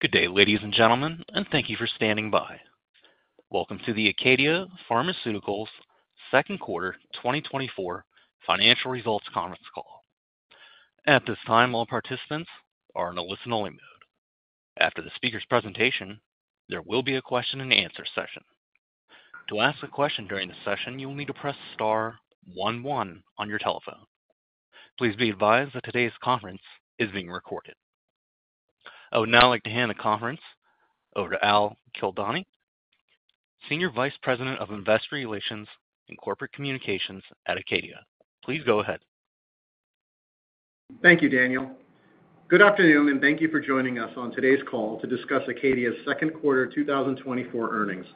Good day, ladies and gentlemen, and thank you for standing by. Welcome to the Acadia Pharmaceuticals Second Quarter 2024 Financial Results Conference Call. At this time, all participants are in a listen-only mode. After the speaker's presentation, there will be a question-and-answer session. To ask a question during the session, you will need to press star one one on your telephone. Please be advised that today's conference is being recorded. I would now like to hand the conference over to Al Kildani, Senior Vice President of Investor Relations and Corporate Communications at Acadia. Please go ahead. Thank you, Daniel. Good afternoon, and thank you for joining us on today's call to discuss Acadia's second quarter 2024 earnings.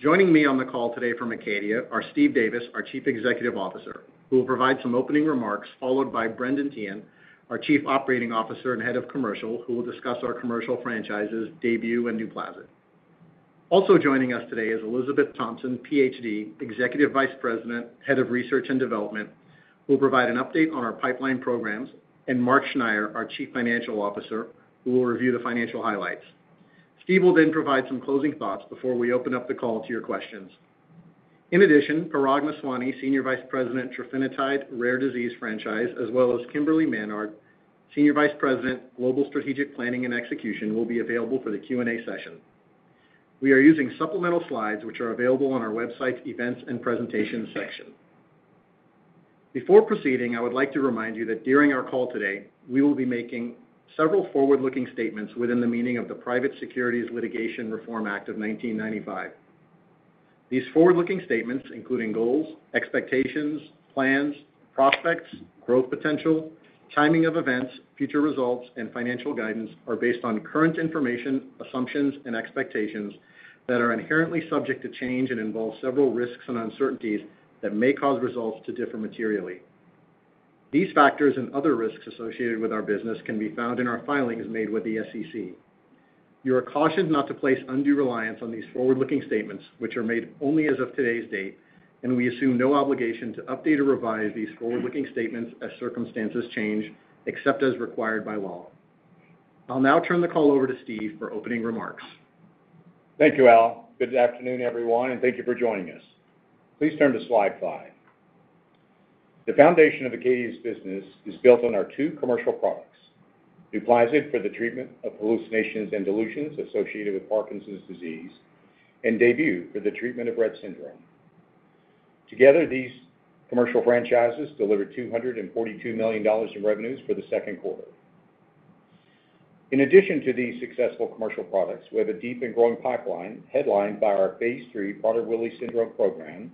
Joining me on the call today from Acadia are Steve Davis, our Chief Executive Officer, who will provide some opening remarks, followed by Brendan Teehan, our Chief Operating Officer and Head of Commercial, who will discuss our commercial franchises, DAYBUE and NUPLAZID. Also joining us today is Elizabeth Thompson, Ph.D., Executive Vice President, Head of Research and Development, who will provide an update on our pipeline programs, and Marc Schneyer, our Chief Financial Officer, who will review the financial highlights. Steve will then provide some closing thoughts before we open up the call to your questions. In addition, Parag Meswani, Senior Vice President, Trofinetide Rare Disease Franchise, as well as Kimberly Manhard, Senior Vice President, Global Strategic Planning and Execution, will be available for the Q&A session. We are using supplemental slides, which are available on our website's Events and Presentations section. Before proceeding, I would like to remind you that during our call today, we will be making several forward-looking statements within the meaning of the Private Securities Litigation Reform Act of 1995. These forward-looking statements, including goals, expectations, plans, prospects, growth, potential, timing of events, future results, and financial guidance, are based on current information, assumptions, and expectations that are inherently subject to change and involve several risks and uncertainties that may cause results to differ materially. These factors and other risks associated with our business can be found in our filings made with the SEC. You are cautioned not to place undue reliance on these forward-looking statements, which are made only as of today's date, and we assume no obligation to update or revise these forward-looking statements as circumstances change, except as required by law. I'll now turn the call over to Steve for opening remarks. Thank you, Al. Good afternoon, everyone, and thank you for joining us. Please turn to slide five. The foundation of Acadia's business is built on our two commercial products, NUPLAZID, for the treatment of hallucinations and delusions associated with Parkinson's disease, and DAYBUE for the treatment of Rett syndrome. Together, these commercial franchises delivered $242 million in revenues for the second quarter. In addition to these successful commercial products, we have a deep and growing pipeline, headlined by our phase 3 Prader-Willi syndrome program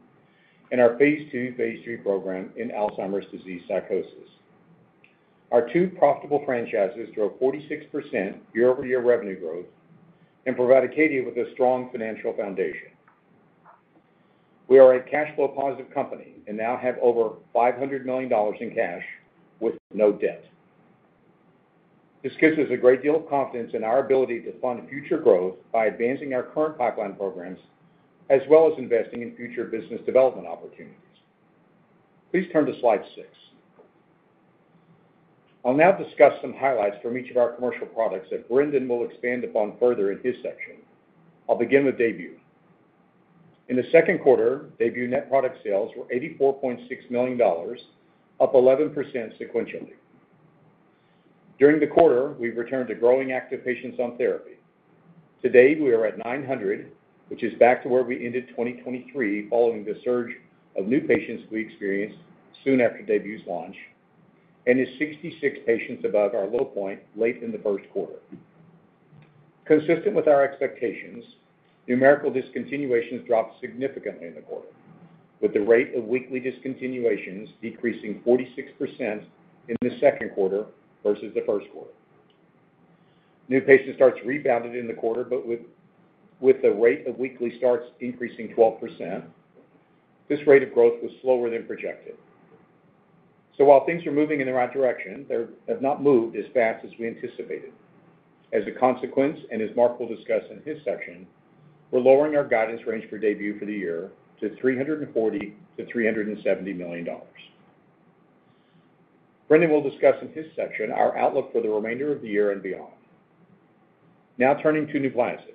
and our phase 2/phase 3 program in Alzheimer's disease psychosis. Our two profitable franchises drove 46% year-over-year revenue growth and provide Acadia with a strong financial foundation. We are a cash flow positive company and now have over $500 million in cash with no debt. This gives us a great deal of confidence in our ability to fund future growth by advancing our current pipeline programs, as well as investing in future business development opportunities. Please turn to slide six. I'll now discuss some highlights from each of our commercial products that Brendan will expand upon further in his section. I'll begin with DAYBUE. In the second quarter, DAYBUE net product sales were $84.6 million, up 11% sequentially. During the quarter, we've returned to growing active patients on therapy. Today, we are at 900, which is back to where we ended 2023, following the surge of new patients we experienced soon after DAYBUE's launch, and is 66 patients above our low point late in the first quarter. Consistent with our expectations, numerical discontinuations dropped significantly in the quarter, with the rate of weekly discontinuations decreasing 46% in the second quarter versus the first quarter. New patient starts rebounded in the quarter, but with the rate of weekly starts increasing 12%, this rate of growth was slower than projected. So while things are moving in the right direction, they have not moved as fast as we anticipated. As a consequence, and as Mark will discuss in his section, we're lowering our guidance range for DAYBUE for the year to $340 million-$370 million. Brendan will discuss in his section our outlook for the remainder of the year and beyond. Now, turning to NUPLAZID.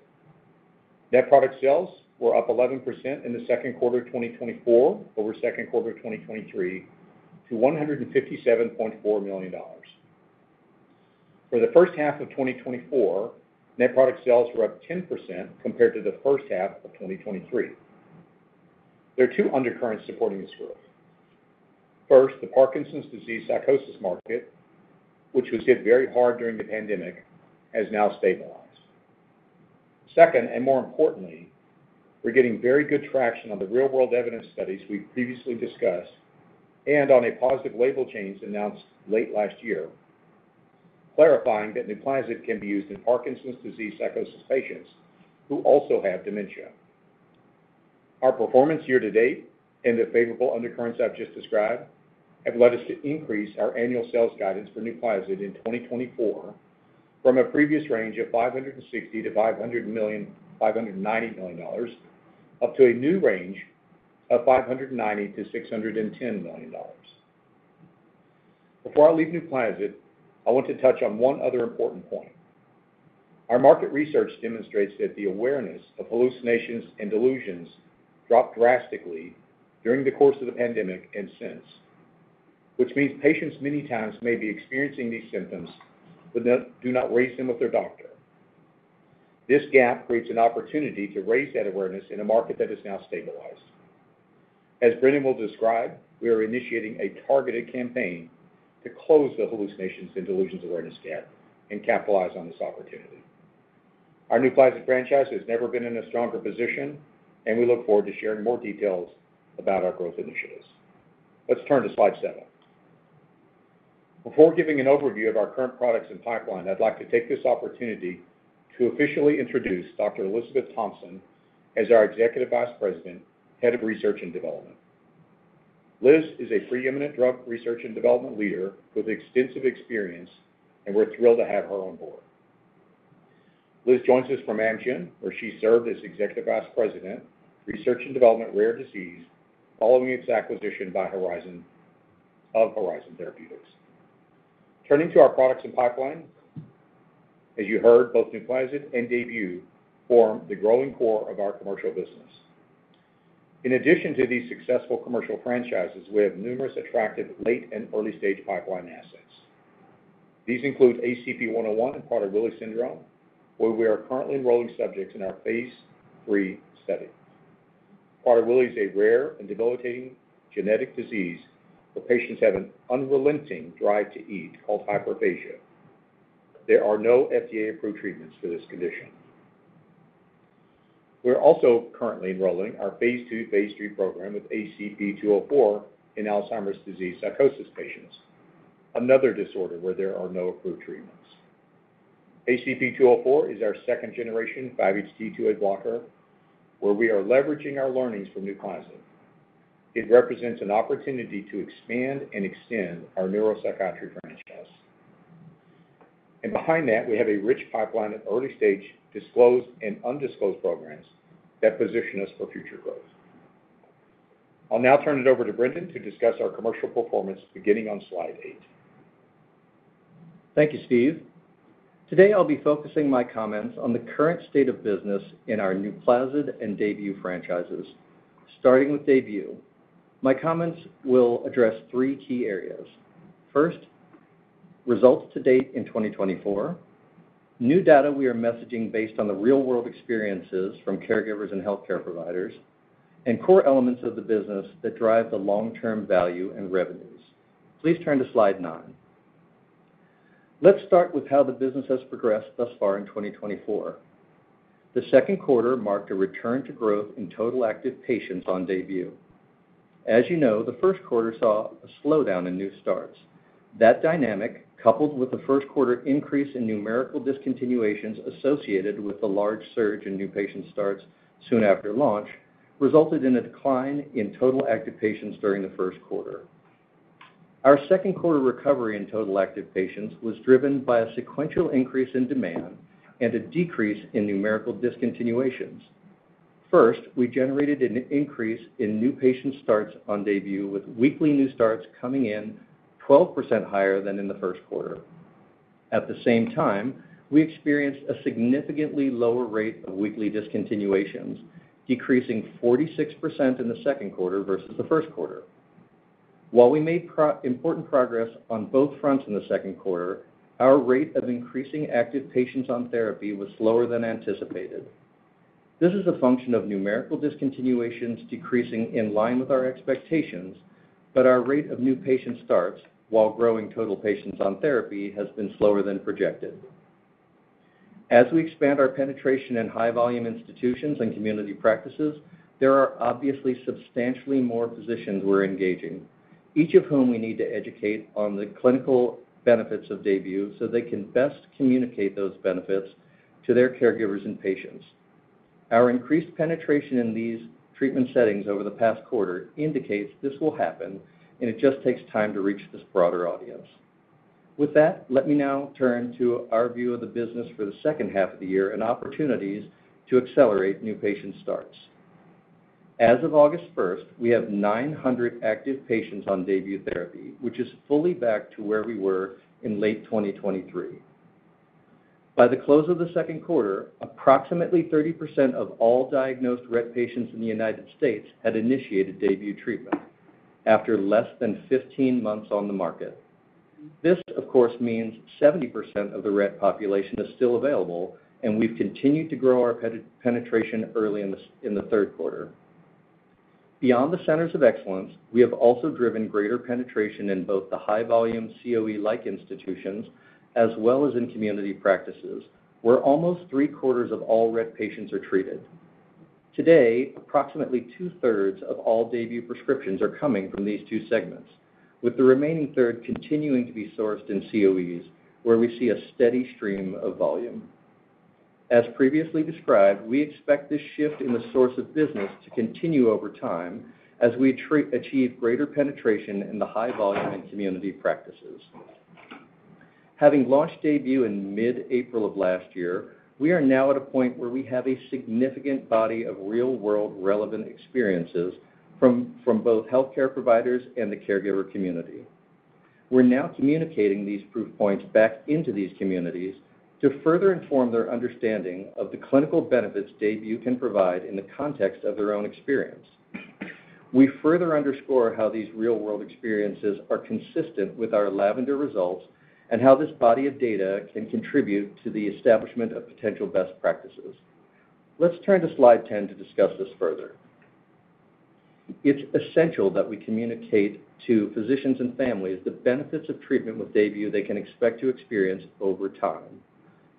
Net product sales were up 11% in the second quarter of 2024 over second quarter of 2023 to $157.4 million. For the first half of 2024, net product sales were up 10% compared to the first half of 2023. There are two undercurrents supporting this growth. First, the Parkinson's disease psychosis market, which was hit very hard during the pandemic, has now stabilized. Second, and more importantly, we're getting very good traction on the real-world evidence studies we previously discussed and on a positive label change announced late last year, clarifying that NUPLAZID can be used in Parkinson's disease psychosis patients who also have dementia. Our performance year to date and the favorable undercurrents I've just described have led us to increase our annual sales guidance for NUPLAZID in 2024 from a previous range of $560 million-$590 million, up to a new range of $590 million-$610 million. Before I leave NUPLAZID, I want to touch on one other important point. Our market research demonstrates that the awareness of hallucinations and delusions dropped drastically during the course of the pandemic, and since, which means patients many times may be experiencing these symptoms, but do not, do not raise them with their doctor. This gap creates an opportunity to raise that awareness in a market that is now stabilized. As Brendan will describe, we are initiating a targeted campaign to close the hallucinations and delusions awareness gap and capitalize on this opportunity. Our NUPLAZID franchise has never been in a stronger position, and we look forward to sharing more details about our growth initiatives. Let's turn to slide seven. Before giving an overview of our current products and pipeline, I'd like to take this opportunity to officially introduce Dr. Elizabeth Thompson as our Executive Vice President, Head of Research and Development. Liz is a preeminent drug research and development leader with extensive experience, and we're thrilled to have her on board. Liz joins us from Amgen, where she served as Executive Vice President, Research and Development, Rare Disease, following its acquisition of Horizon Therapeutics. Turning to our products and pipeline, as you heard, both NUPLAZID and DAYBUE form the growing core of our commercial business. In addition to these successful commercial franchises, we have numerous attractive late and early-stage pipeline assets. These include ACP-101 in Prader-Willi syndrome, where we are currently enrolling subjects in our phase 3 study. Prader-Willi is a rare and debilitating genetic disease, where patients have an unrelenting drive to eat, called hyperphagia. There are no FDA-approved treatments for this condition. We're also currently enrolling our phase 2, phase 3 program with ACP-204 in Alzheimer's disease psychosis patients, another disorder where there are no approved treatments. ACP-204 is our second-generation 5-HT2A blocker, where we are leveraging our learnings from NUPLAZID. It represents an opportunity to expand and extend our neuropsychiatry franchise. And behind that, we have a rich pipeline of early-stage disclosed and undisclosed programs that position us for future growth. I'll now turn it over to Brendan to discuss our commercial performance, beginning on slide 8. Thank you, Steve. Today, I'll be focusing my comments on the current state of business in our NUPLAZID and DAYBUE franchises, starting with DAYBUE. My comments will address three key areas. First, results to date in 2024, new data we are messaging based on the real-world experiences from caregivers and healthcare providers, and core elements of the business that drive the long-term value and revenues. Please turn to slide 9. Let's start with how the business has progressed thus far in 2024. The second quarter marked a return to growth in total active patients on DAYBUE. As you know, the first quarter saw a slowdown in new starts. That dynamic, coupled with the first quarter increase in numerical discontinuations associated with the large surge in new patient starts soon after launch, resulted in a decline in total active patients during the first quarter. Our second quarter recovery in total active patients was driven by a sequential increase in demand and a decrease in numerical discontinuations. First, we generated an increase in new patient starts on DAYBUE, with weekly new starts coming in 12% higher than in the first quarter. At the same time, we experienced a significantly lower rate of weekly discontinuations, decreasing 46% in the second quarter versus the first quarter. While we made important progress on both fronts in the second quarter, our rate of increasing active patients on therapy was slower than anticipated. This is a function of numerical discontinuations decreasing in line with our expectations, but our rate of new patient starts, while growing total patients on therapy, has been slower than projected. As we expand our penetration in high-volume institutions and community practices, there are obviously substantially more physicians we're engaging, each of whom we need to educate on the clinical benefits of DAYBUE, so they can best communicate those benefits to their caregivers and patients. Our increased penetration in these treatment settings over the past quarter indicates this will happen, and it just takes time to reach this broader audience. With that, let me now turn to our view of the business for the second half of the year and opportunities to accelerate new patient starts. As of August 1, we have 900 active patients on DAYBUE therapy, which is fully back to where we were in late 2023. By the close of the second quarter, approximately 30% of all diagnosed Rett patients in the United States had initiated DAYBUE treatment after less than 15 months on the market. This, of course, means 70% of the Rett population is still available, and we've continued to grow our penetration early in the, in the third quarter. Beyond the Centers of Excellence, we have also driven greater penetration in both the high-volume COE-like institutions as well as in community practices, where almost three-quarters of all Rett patients are treated. Today, approximately two-thirds of all DAYBUE prescriptions are coming from these two segments, with the remaining third continuing to be sourced in COEs, where we see a steady stream of volume. As previously described, we expect this shift in the source of business to continue over time as we achieve greater penetration in the high-volume and community practices. Having launched DAYBUE in mid-April of last year, we are now at a point where we have a significant body of real-world relevant experiences from both healthcare providers and the caregiver community. We're now communicating these proof points back into these communities to further inform their understanding of the clinical benefits DAYBUE can provide in the context of their own experience. We further underscore how these real-world experiences are consistent with our LAVENDER results, and how this body of data can contribute to the establishment of potential best practices. Let's turn to Slide 10 to discuss this further. It's essential that we communicate to physicians and families the benefits of treatment with DAYBUE they can expect to experience over time.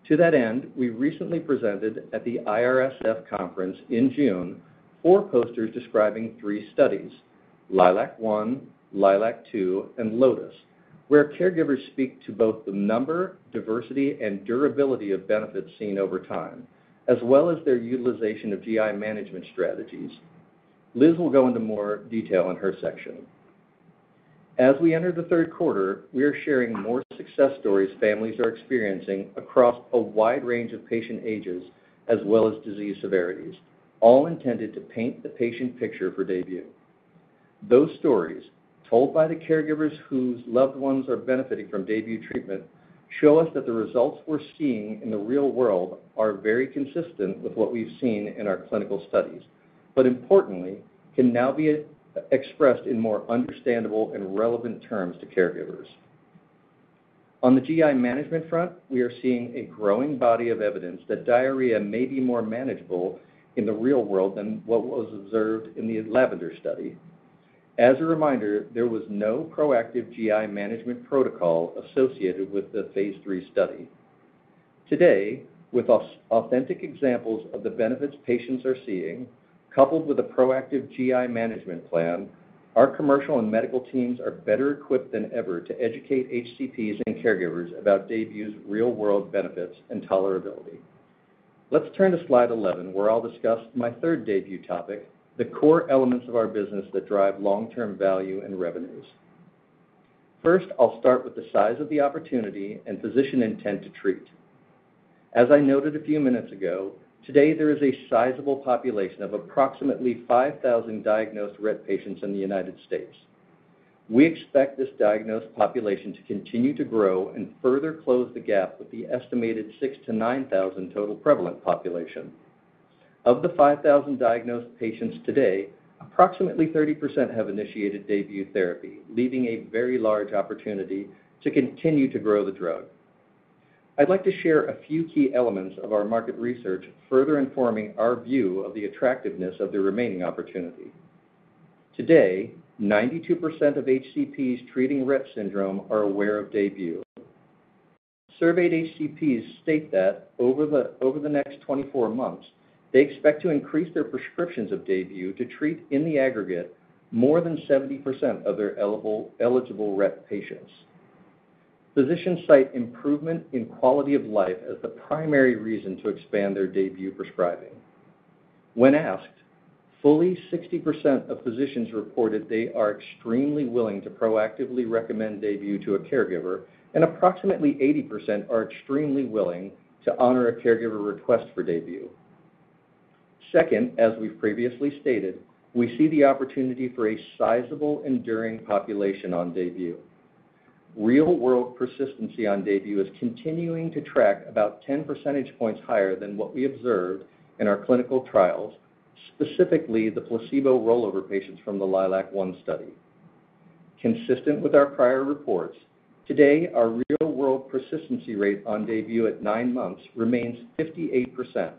To that end, we recently presented at the IRSF conference in June four posters describing three studies: LILAC-1, LILAC-2, and LOTUS, where caregivers speak to both the number, diversity, and durability of benefits seen over time, as well as their utilization of GI management strategies. Liz will go into more detail in her section. As we enter the third quarter, we are sharing more success stories families are experiencing across a wide range of patient ages as well as disease severities, all intended to paint the patient picture for DAYBUE. Those stories, told by the caregivers whose loved ones are benefiting from DAYBUE treatment, show us that the results we're seeing in the real world are very consistent with what we've seen in our clinical studies, but importantly, can now be expressed in more understandable and relevant terms to caregivers. On the GI management front, we are seeing a growing body of evidence that diarrhea may be more manageable in the real world than what was observed in the LAVENDER study. As a reminder, there was no proactive GI management protocol associated with the phase 3 study. Today, with authentic examples of the benefits patients are seeing, coupled with a proactive GI management plan, our commercial and medical teams are better equipped than ever to educate HCPs and caregivers about DAYBUE's real-world benefits and tolerability. Let's turn to Slide 11, where I'll discuss my third DAYBUE topic, the core elements of our business that drive long-term value and revenues. First, I'll start with the size of the opportunity and physician intent to treat. As I noted a few minutes ago, today, there is a sizable population of approximately 5,000 diagnosed Rett patients in the United States. We expect this diagnosed population to continue to grow and further close the gap with the estimated 6,000-9,000 total prevalent population. Of the 5,000 diagnosed patients today, approximately 30% have initiated DAYBUE therapy, leaving a very large opportunity to continue to grow the drug. I'd like to share a few key elements of our market research, further informing our view of the attractiveness of the remaining opportunity. Today, 92% of HCPs treating Rett syndrome are aware of DAYBUE. Surveyed HCPs state that over the next 24 months, they expect to increase their prescriptions of DAYBUE to treat, in the aggregate, more than 70% of their eligible Rett patients. Physicians cite improvement in quality of life as the primary reason to expand their DAYBUE prescribing. When asked, fully 60% of physicians reported they are extremely willing to proactively recommend DAYBUE to a caregiver, and approximately 80% are extremely willing to honor a caregiver request for DAYBUE. Second, as we've previously stated, we see the opportunity for a sizable, enduring population on DAYBUE. Real-world persistency on DAYBUE is continuing to track about 10 percentage points higher than what we observed in our clinical trials, specifically the placebo rollover patients from the LILAC-1 study. Consistent with our prior reports, today, our real-world persistency rate on DAYBUE at 9 months remains 58%,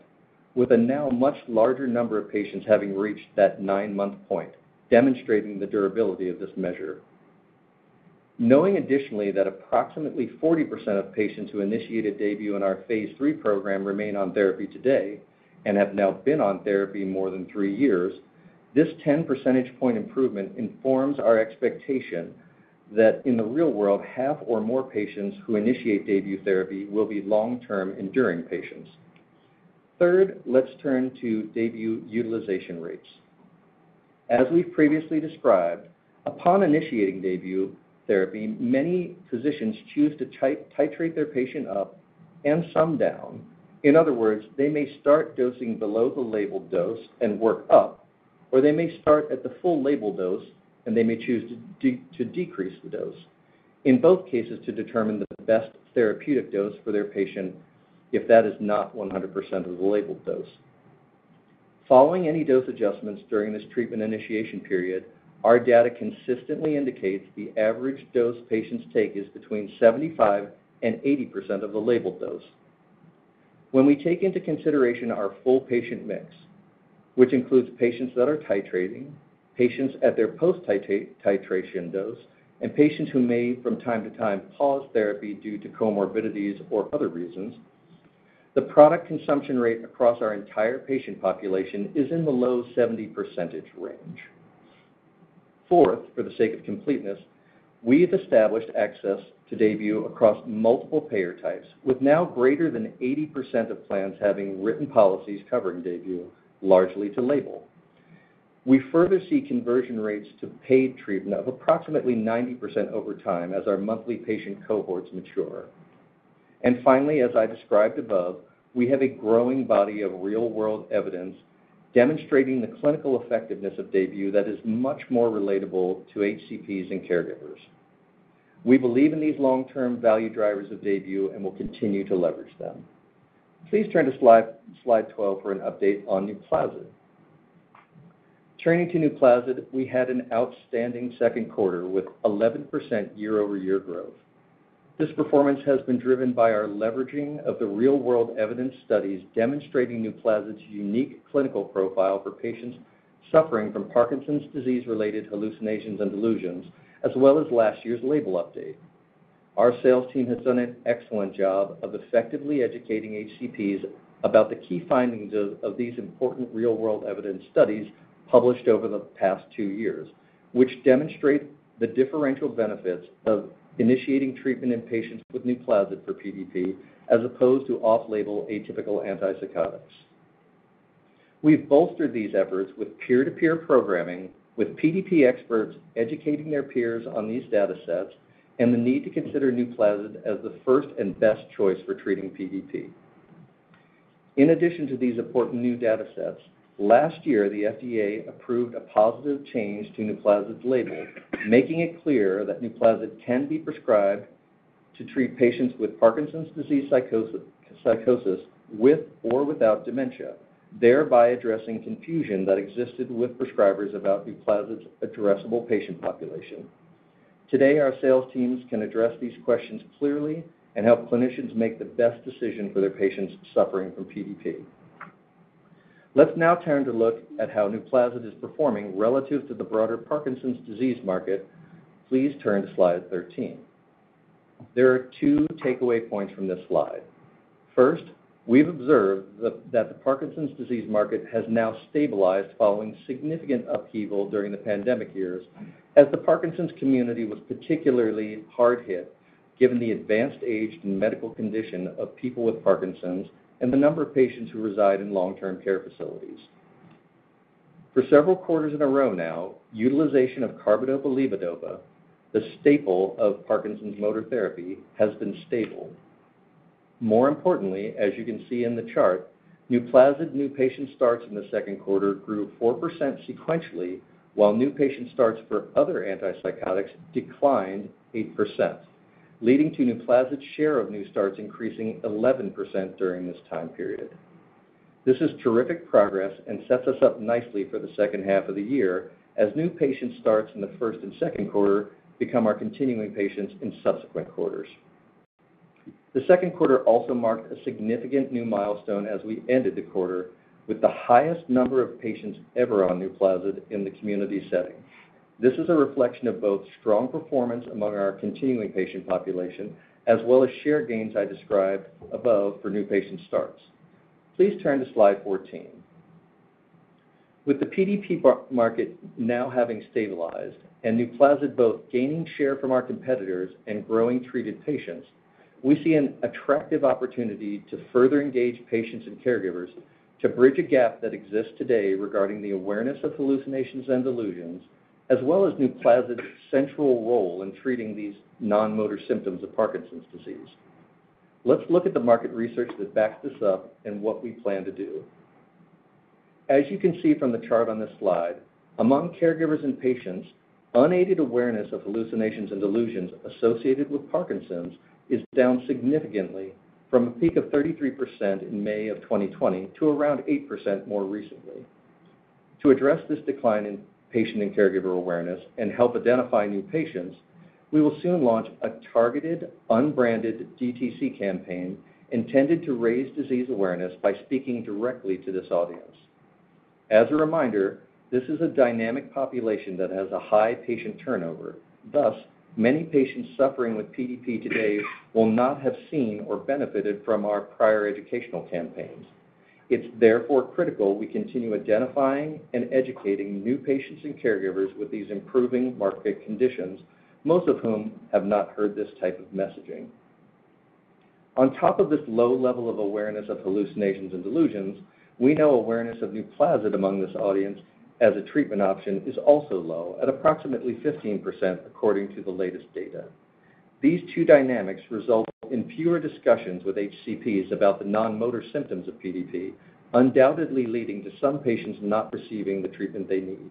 with a now much larger number of patients having reached that 9-month point, demonstrating the durability of this measure. Knowing additionally that approximately 40% of patients who initiated DAYBUE in our phase 3 program remain on therapy today and have now been on therapy more than three years, this 10-percentage point improvement informs our expectation that in the real world, half or more patients who initiate DAYBUE therapy will be long-term, enduring patients. Third, let's turn to DAYBUE utilization rates. As we've previously described, upon initiating DAYBUE therapy, many physicians choose to titrate their patient up and some down. In other words, they may start dosing below the labeled dose and work up, or they may start at the full label dose, and they may choose to decrease the dose, in both cases, to determine the best therapeutic dose for their patient, if that is not 100% of the labeled dose. Following any dose adjustments during this treatment initiation period, our data consistently indicates the average dose patients take is between 75% and 80% of the labeled dose. When we take into consideration our full patient mix, which includes patients that are titrating, patients at their post-titration dose, and patients who may, from time to time, pause therapy due to comorbidities or other reasons, the product consumption rate across our entire patient population is in the low 70% range. Fourth, for the sake of completeness, we've established access to DAYBUE across multiple payer types, with now greater than 80% of plans having written policies covering DAYBUE, largely to label. We further see conversion rates to paid treatment of approximately 90% over time as our monthly patient cohorts mature. Finally, as I described above, we have a growing body of real-world evidence demonstrating the clinical effectiveness of DAYBUE that is much more relatable to HCPs and caregivers. We believe in these long-term value drivers of DAYBUE and will continue to leverage them. Please turn to slide 12 for an update on NUPLAZID. Turning to NUPLAZID, we had an outstanding second quarter with 11% year-over-year growth. This performance has been driven by our leveraging of the real-world evidence studies demonstrating NUPLAZID's unique clinical profile for patients suffering from Parkinson's disease-related hallucinations and delusions, as well as last year's label update. Our sales team has done an excellent job of effectively educating HCPs about the key findings of these important real-world evidence studies published over the past two years, which demonstrate the differential benefits of initiating treatment in patients with NUPLAZID for PDP, as opposed to off-label atypical antipsychotics. We've bolstered these efforts with peer-to-peer programming, with PDP experts educating their peers on these data sets and the need to consider NUPLAZID as the first and best choice for treating PDP. In addition to these important new data sets, last year, the FDA approved a positive change to NUPLAZID's label, making it clear that NUPLAZID can be prescribed to treat patients with Parkinson's disease psychosis, with or without dementia, thereby addressing confusion that existed with prescribers about NUPLAZID's addressable patient population. Today, our sales teams can address these questions clearly and help clinicians make the best decision for their patients suffering from PDP. Let's now turn to look at how NUPLAZID is performing relative to the broader Parkinson's disease market. Please turn to slide 13. There are two takeaway points from this slide. First, we've observed that the Parkinson's disease market has now stabilized following significant upheaval during the pandemic years, as the Parkinson's community was particularly hard hit, given the advanced age and medical condition of people with Parkinson's and the number of patients who reside in long-term care facilities. For several quarters in a row now, utilization of carbidopa/levodopa, the staple of Parkinson's motor therapy, has been stable. More importantly, as you can see in the chart, NUPLAZID new patient starts in the second quarter grew 4% sequentially, while new patient starts for other antipsychotics declined 8%, leading to NUPLAZID's share of new starts increasing 11% during this time period. This is terrific progress and sets us up nicely for the second half of the year, as new patient starts in the first and second quarter become our continuing patients in subsequent quarters. The second quarter also marked a significant new milestone as we ended the quarter with the highest number of patients ever on NUPLAZID in the community setting. This is a reflection of both strong performance among our continuing patient population, as well as share gains I described above for new patient starts. Please turn to slide 14. With the PDP market now having stabilized and NUPLAZID both gaining share from our competitors and growing treated patients, we see an attractive opportunity to further engage patients and caregivers to bridge a gap that exists today regarding the awareness of hallucinations and delusions, as well as NUPLAZID's central role in treating these non-motor symptoms of Parkinson's disease. Let's look at the market research that backs this up and what we plan to do. As you can see from the chart on this slide, among caregivers and patients, unaided awareness of hallucinations and delusions associated with Parkinson's is down significantly from a peak of 33% in May of 2020 to around 8% more recently. To address this decline in patient and caregiver awareness and help identify new patients, we will soon launch a targeted, unbranded DTC campaign intended to raise disease awareness by speaking directly to this audience. As a reminder, this is a dynamic population that has a high patient turnover. Thus, many patients suffering with PDP today will not have seen or benefited from our prior educational campaigns. It's therefore critical we continue identifying and educating new patients and caregivers with these improving market conditions, most of whom have not heard this type of messaging. On top of this low level of awareness of hallucinations and delusions, we know awareness of NUPLAZID among this audience as a treatment option is also low at approximately 15%, according to the latest data. These two dynamics result in fewer discussions with HCPs about the non-motor symptoms of PDP, undoubtedly leading to some patients not receiving the treatment they need.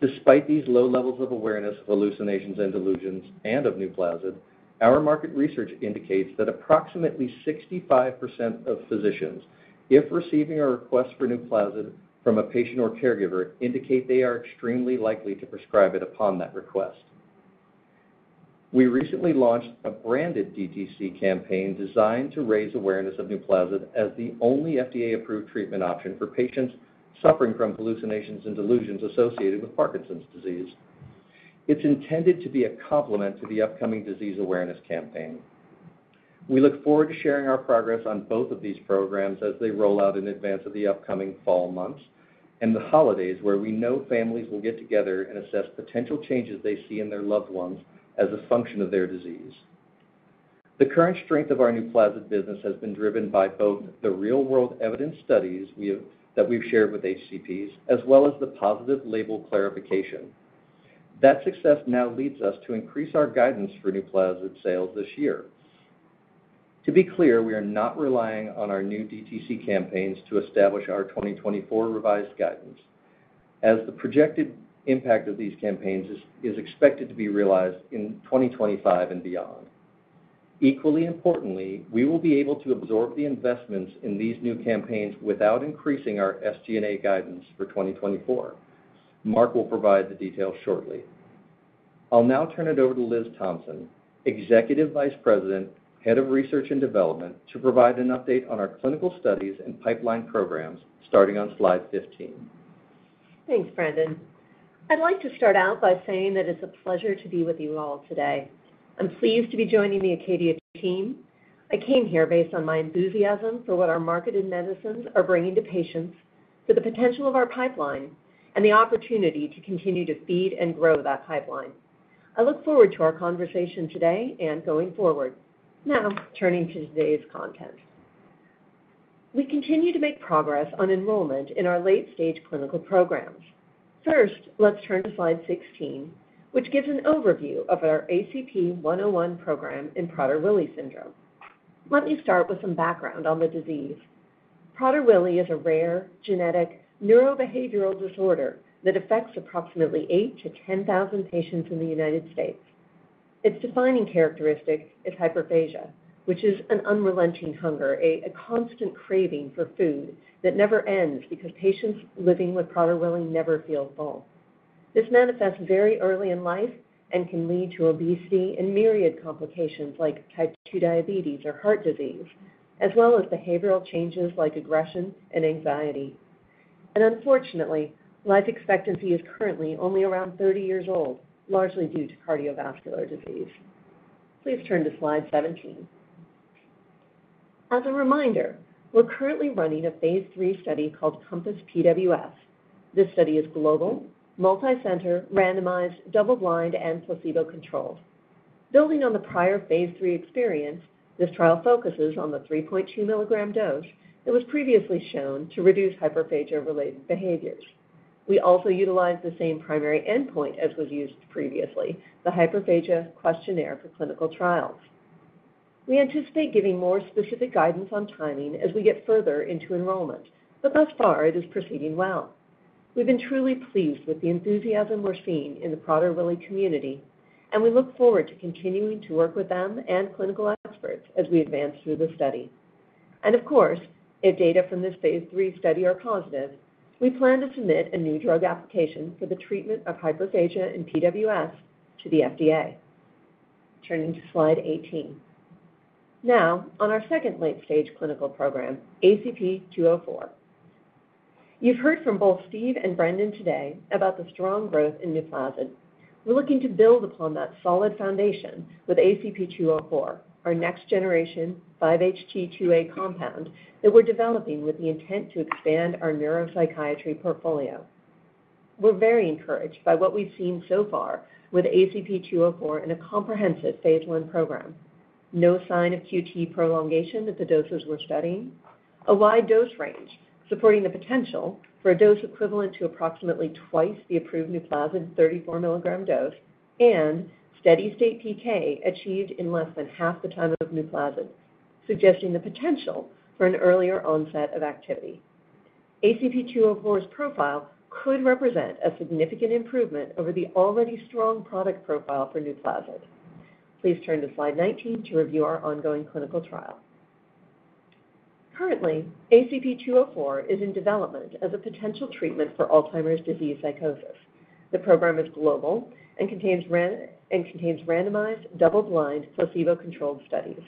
Despite these low levels of awareness of hallucinations and delusions and of NUPLAZID, our market research indicates that approximately 65% of physicians, if receiving a request for NUPLAZID from a patient or caregiver, indicate they are extremely likely to prescribe it upon that request. We recently launched a branded DTC campaign designed to raise awareness of NUPLAZID as the only FDA-approved treatment option for patients suffering from hallucinations and delusions associated with Parkinson's disease. It's intended to be a complement to the upcoming disease awareness campaign. We look forward to sharing our progress on both of these programs as they roll out in advance of the upcoming fall months and the holidays, where we know families will get together and assess potential changes they see in their loved ones as a function of their disease. The current strength of our NUPLAZID business has been driven by both the real-world evidence studies we have, that we've shared with HCPs, as well as the positive label clarification. That success now leads us to increase our guidance for NUPLAZID sales this year. To be clear, we are not relying on our new DTC campaigns to establish our 2024 revised guidance, as the projected impact of these campaigns is expected to be realized in 2025 and beyond. Equally importantly, we will be able to absorb the investments in these new campaigns without increasing our SG&A guidance for 2024. Mark will provide the details shortly. I'll now turn it over to Liz Thompson, Executive Vice President, Head of Research and Development, to provide an update on our clinical studies and pipeline programs, starting on slide 15. Thanks, Brendan. I'd like to start out by saying that it's a pleasure to be with you all today. I'm pleased to be joining the Acadia team. I came here based on my enthusiasm for what our marketed medicines are bringing to patients, for the potential of our pipeline, and the opportunity to continue to feed and grow that pipeline. I look forward to our conversation today and going forward. Now, turning to today's content. We continue to make progress on enrollment in our late-stage clinical programs. First, let's turn to slide 16, which gives an overview of our ACP-101 program in Prader-Willi syndrome. Let me start with some background on the disease. Prader-Willi is a rare, genetic, neurobehavioral disorder that affects approximately 8,000-10,000 patients in the United States. Its defining characteristic is hyperphagia, which is an unrelenting hunger, a constant craving for food that never ends because patients living with Prader-Willi never feel full. This manifests very early in life and can lead to obesity and myriad complications like type 2 diabetes or heart disease, as well as behavioral changes like aggression and anxiety. Unfortunately, life expectancy is currently only around 30 years old, largely due to cardiovascular disease. Please turn to slide 17. As a reminder, we're currently running a phase 3 study called COMPASS-PWS. This study is global, multicenter, randomized, double-blind, and placebo-controlled. Building on the prior phase 3 experience, this trial focuses on the 3.2 milligram dose that was previously shown to reduce hyperphagia-related behaviors. We also utilize the same primary endpoint as was used previously, the Hyperphagia Questionnaire for Clinical Trials. We anticipate giving more specific guidance on timing as we get further into enrollment, but thus far, it is proceeding well. We've been truly pleased with the enthusiasm we're seeing in the Prader-Willi community, and we look forward to continuing to work with them and clinical experts as we advance through the study. And of course, if data from this phase 3 study are positive, we plan to submit a new drug application for the treatment of hyperphagia in PWS to the FDA. Turning to slide 18. Now, on our second late-stage clinical program, ACP-204. You've heard from both Steve and Brendan today about the strong growth in NUPLAZID. We're looking to build upon that solid foundation with ACP-204, our next-generation 5-HT2A compound that we're developing with the intent to expand our neuropsychiatry portfolio. We're very encouraged by what we've seen so far with ACP-204 in a comprehensive phase 1 program. No sign of QT prolongation at the doses we're studying, a wide dose range supporting the potential for a dose equivalent to approximately twice the approved NUPLAZID 34-milligram dose, and steady-state PK achieved in less than half the time of NUPLAZID, suggesting the potential for an earlier onset of activity. ACP-204's profile could represent a significant improvement over the already strong product profile for NUPLAZID. Please turn to slide 19 to review our ongoing clinical trial. Currently, ACP-204 is in development as a potential treatment for Alzheimer's disease psychosis. The program is global and contains randomized, double-blind, placebo-controlled studies.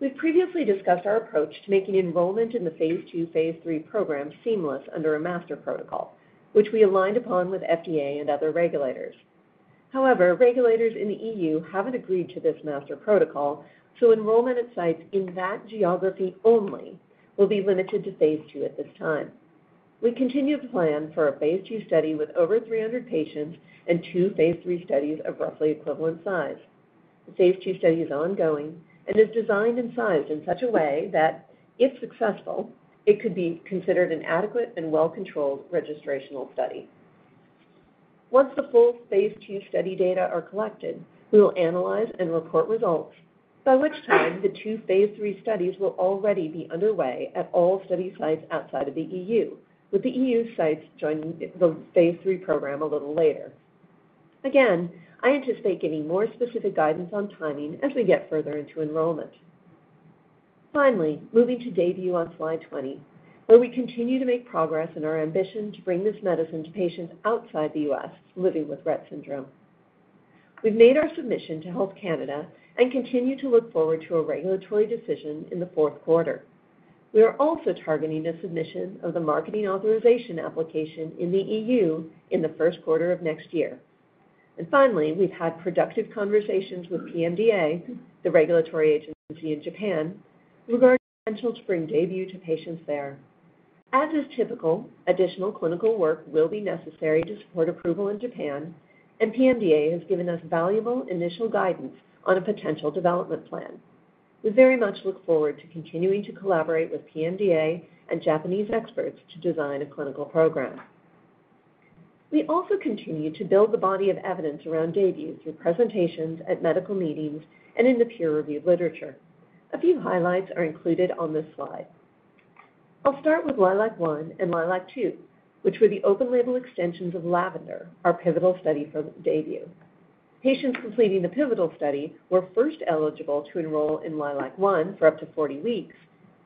We've previously discussed our approach to making enrollment in the phase 2, phase 3 program seamless under a master protocol, which we aligned upon with FDA and other regulators. However, regulators in the EU haven't agreed to this master protocol, so enrollment at sites in that geography only will be limited to phase 2 at this time. We continue to plan for a phase 2 study with over 300 patients and two phase 3 studies of roughly equivalent size. The phase 2 study is ongoing and is designed and sized in such a way that, if successful, it could be considered an adequate and well-controlled registrational study. Once the full phase 2 study data are collected, we will analyze and report results, by which time the two phase 3 studies will already be underway at all study sites outside of the EU, with the EU sites joining the phase 3 program a little later. Again, I anticipate giving more specific guidance on timing as we get further into enrollment. Finally, moving to DAYBUE on slide 20, where we continue to make progress in our ambition to bring this medicine to patients outside the U.S. living with Rett syndrome. We've made our submission to Health Canada and continue to look forward to a regulatory decision in the fourth quarter. We are also targeting a submission of the marketing authorization application in the EU in the first quarter of next year. And finally, we've had productive conversations with PMDA, the regulatory agency in Japan, regarding the potential to bring DAYBUE to patients there. As is typical, additional clinical work will be necessary to support approval in Japan, and PMDA has given us valuable initial guidance on a potential development plan. We very much look forward to continuing to collaborate with PMDA and Japanese experts to design a clinical program. We also continue to build the body of evidence around DAYBUE through presentations at medical meetings and in the peer-reviewed literature. A few highlights are included on this slide. I'll start with LILAC-1 and LILAC-2, which were the open-label extensions of LAVENDER, our pivotal study for DAYBUE. Patients completing the pivotal study were first eligible to enroll in LILAC-1 for up to 40 weeks,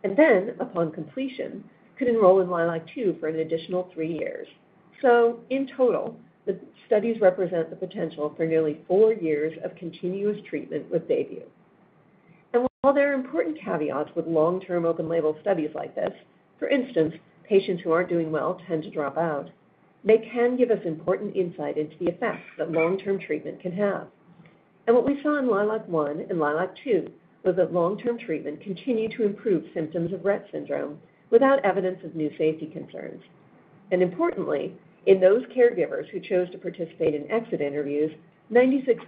and then, upon completion, could enroll in LILAC-2 for an additional 3 years. So in total, the studies represent the potential for nearly 4 years of continuous treatment with DAYBUE. While there are important caveats with long-term open-label studies like this, for instance, patients who aren't doing well tend to drop out, they can give us important insight into the effects that long-term treatment can have. What we saw in LILAC-1 and LILAC-2 was that long-term treatment continued to improve symptoms of Rett syndrome without evidence of new safety concerns. Importantly, in those caregivers who chose to participate in exit interviews, 96%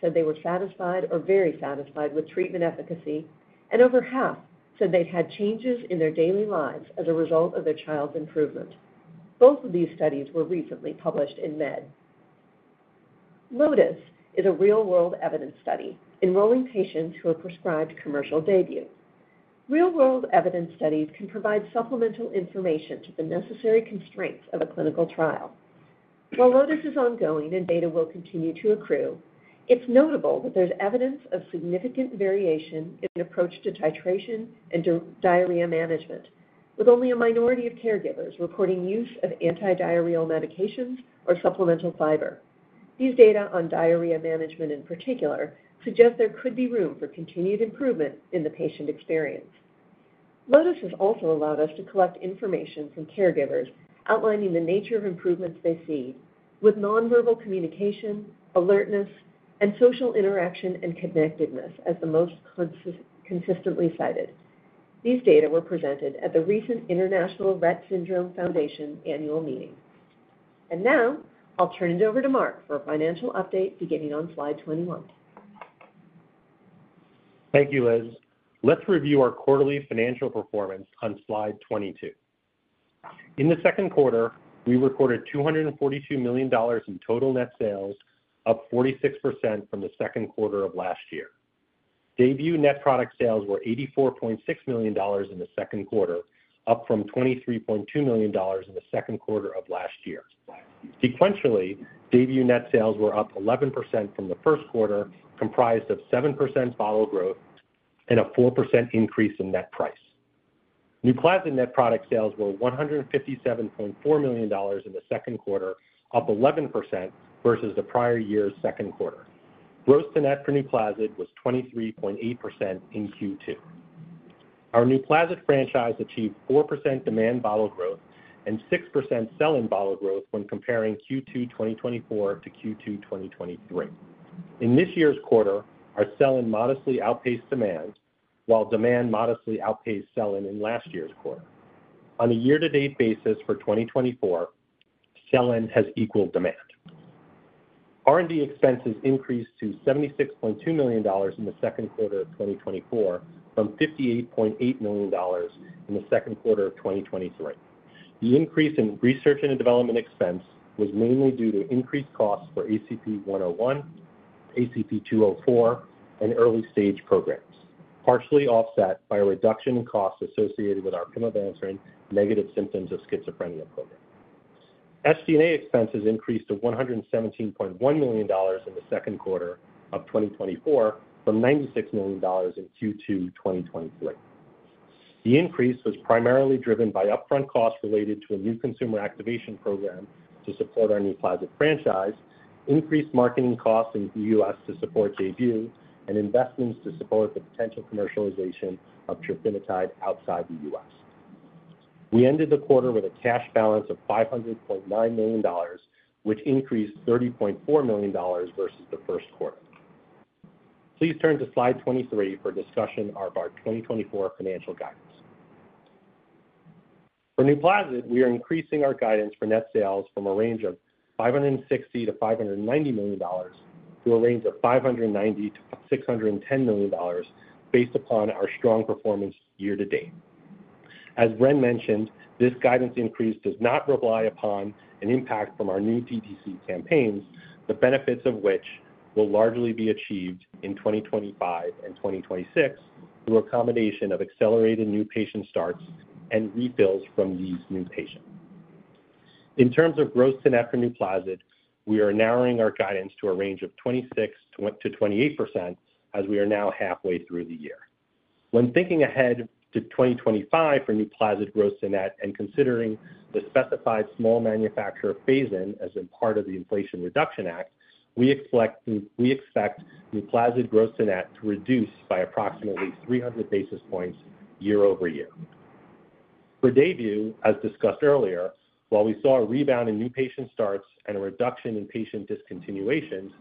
said they were satisfied or very satisfied with treatment efficacy, and over half said they'd had changes in their daily lives as a result of their child's improvement. Both of these studies were recently published in Med. LOTUS is a real-world evidence study enrolling patients who are prescribed commercial DAYBUE. Real-world evidence studies can provide supplemental information to the necessary constraints of a clinical trial. While LOTUS is ongoing and data will continue to accrue, it's notable that there's evidence of significant variation in approach to titration and diarrhea management, with only a minority of caregivers reporting use of antidiarrheal medications or supplemental fiber. These data on diarrhea management, in particular, suggest there could be room for continued improvement in the patient experience. LOTUS has also allowed us to collect information from caregivers outlining the nature of improvements they see, with nonverbal communication, alertness, and social interaction and connectedness as the most consistently cited. These data were presented at the recent International Rett Syndrome Foundation annual meeting. And now I'll turn it over to Mark for a financial update beginning on slide 21. Thank you, Liz. Let's review our quarterly financial performance on slide 22. In the second quarter, we recorded $242 million in total net sales, up 46% from the second quarter of last year. DAYBUE net product sales were $84.6 million in the second quarter, up from $23.2 million in the second quarter of last year. Sequentially, DAYBUE net sales were up 11% from the first quarter, comprised of 7% bottle growth and a 4% increase in net price. NUPLAZID net product sales were $157.4 million in the second quarter, up 11% versus the prior year's second quarter. Gross-to-net for NUPLAZID was 23.8% in Q2. Our NUPLAZID franchise achieved 4% demand bottle growth and 6% sell-in bottle growth when comparing Q2 2024 to Q2 2023. In this year's quarter, our sell-in modestly outpaced demand, while demand modestly outpaced sell-in in last year's quarter. On a year-to-date basis for 2024, sell-in has equaled demand. R&D expenses increased to $76.2 million in the second quarter of 2024, from $58.8 million in the second quarter of 2023. The increase in research and development expense was mainly due to increased costs for ACP-101, ACP-204, and early-stage programs, partially offset by a reduction in costs associated with our pimevanserin negative symptoms of schizophrenia program. SG&A expenses increased to $117.1 million in the second quarter of 2024, from $96 million in Q2 2023. The increase was primarily driven by upfront costs related to a new consumer activation program to support our NUPLAZID franchise, increased marketing costs in the U.S. to support DAYBUE, and investments to support the potential commercialization of trofinetide outside the U.S. We ended the quarter with a cash balance of $500.9 million, which increased $30.4 million versus the first quarter. Please turn to slide 23 for a discussion of our 2024 financial guidance. For NUPLAZID, we are increasing our guidance for net sales from a range of $560 million-$590 million to a range of $590 million-$610 million, based upon our strong performance year to date. As Brendan mentioned, this guidance increase does not rely upon an impact from our new DTC campaigns, the benefits of which will largely be achieved in 2025 and 2026 through a combination of accelerated new patient starts and refills from these new patients. In terms of gross-to-net for NUPLAZID, we are narrowing our guidance to a range of 26%-28%, as we are now halfway through the year. When thinking ahead to 2025 for NUPLAZID gross-to-net and considering the specified small manufacturer phase-in as a part of the Inflation Reduction Act, we expect NUPLAZID gross-to-net to reduce by approximately 300 basis points year-over-year. For DAYBUE, as discussed earlier, while we saw a rebound in new patient starts and a reduction in patient discontinuations-...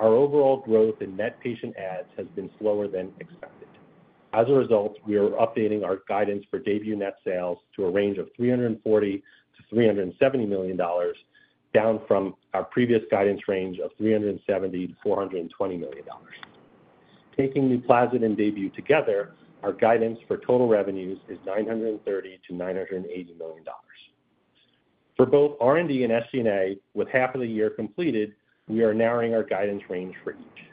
our overall growth in net patient adds has been slower than expected. As a result, we are updating our guidance for DAYBUE net sales to a range of $340 million-$370 million, down from our previous guidance range of $370 million-$420 million. Taking NUPLAZID and DAYBUE together, our guidance for total revenues is $930 million-$980 million. For both R&D and SG&A, with half of the year completed, we are narrowing our guidance range for each.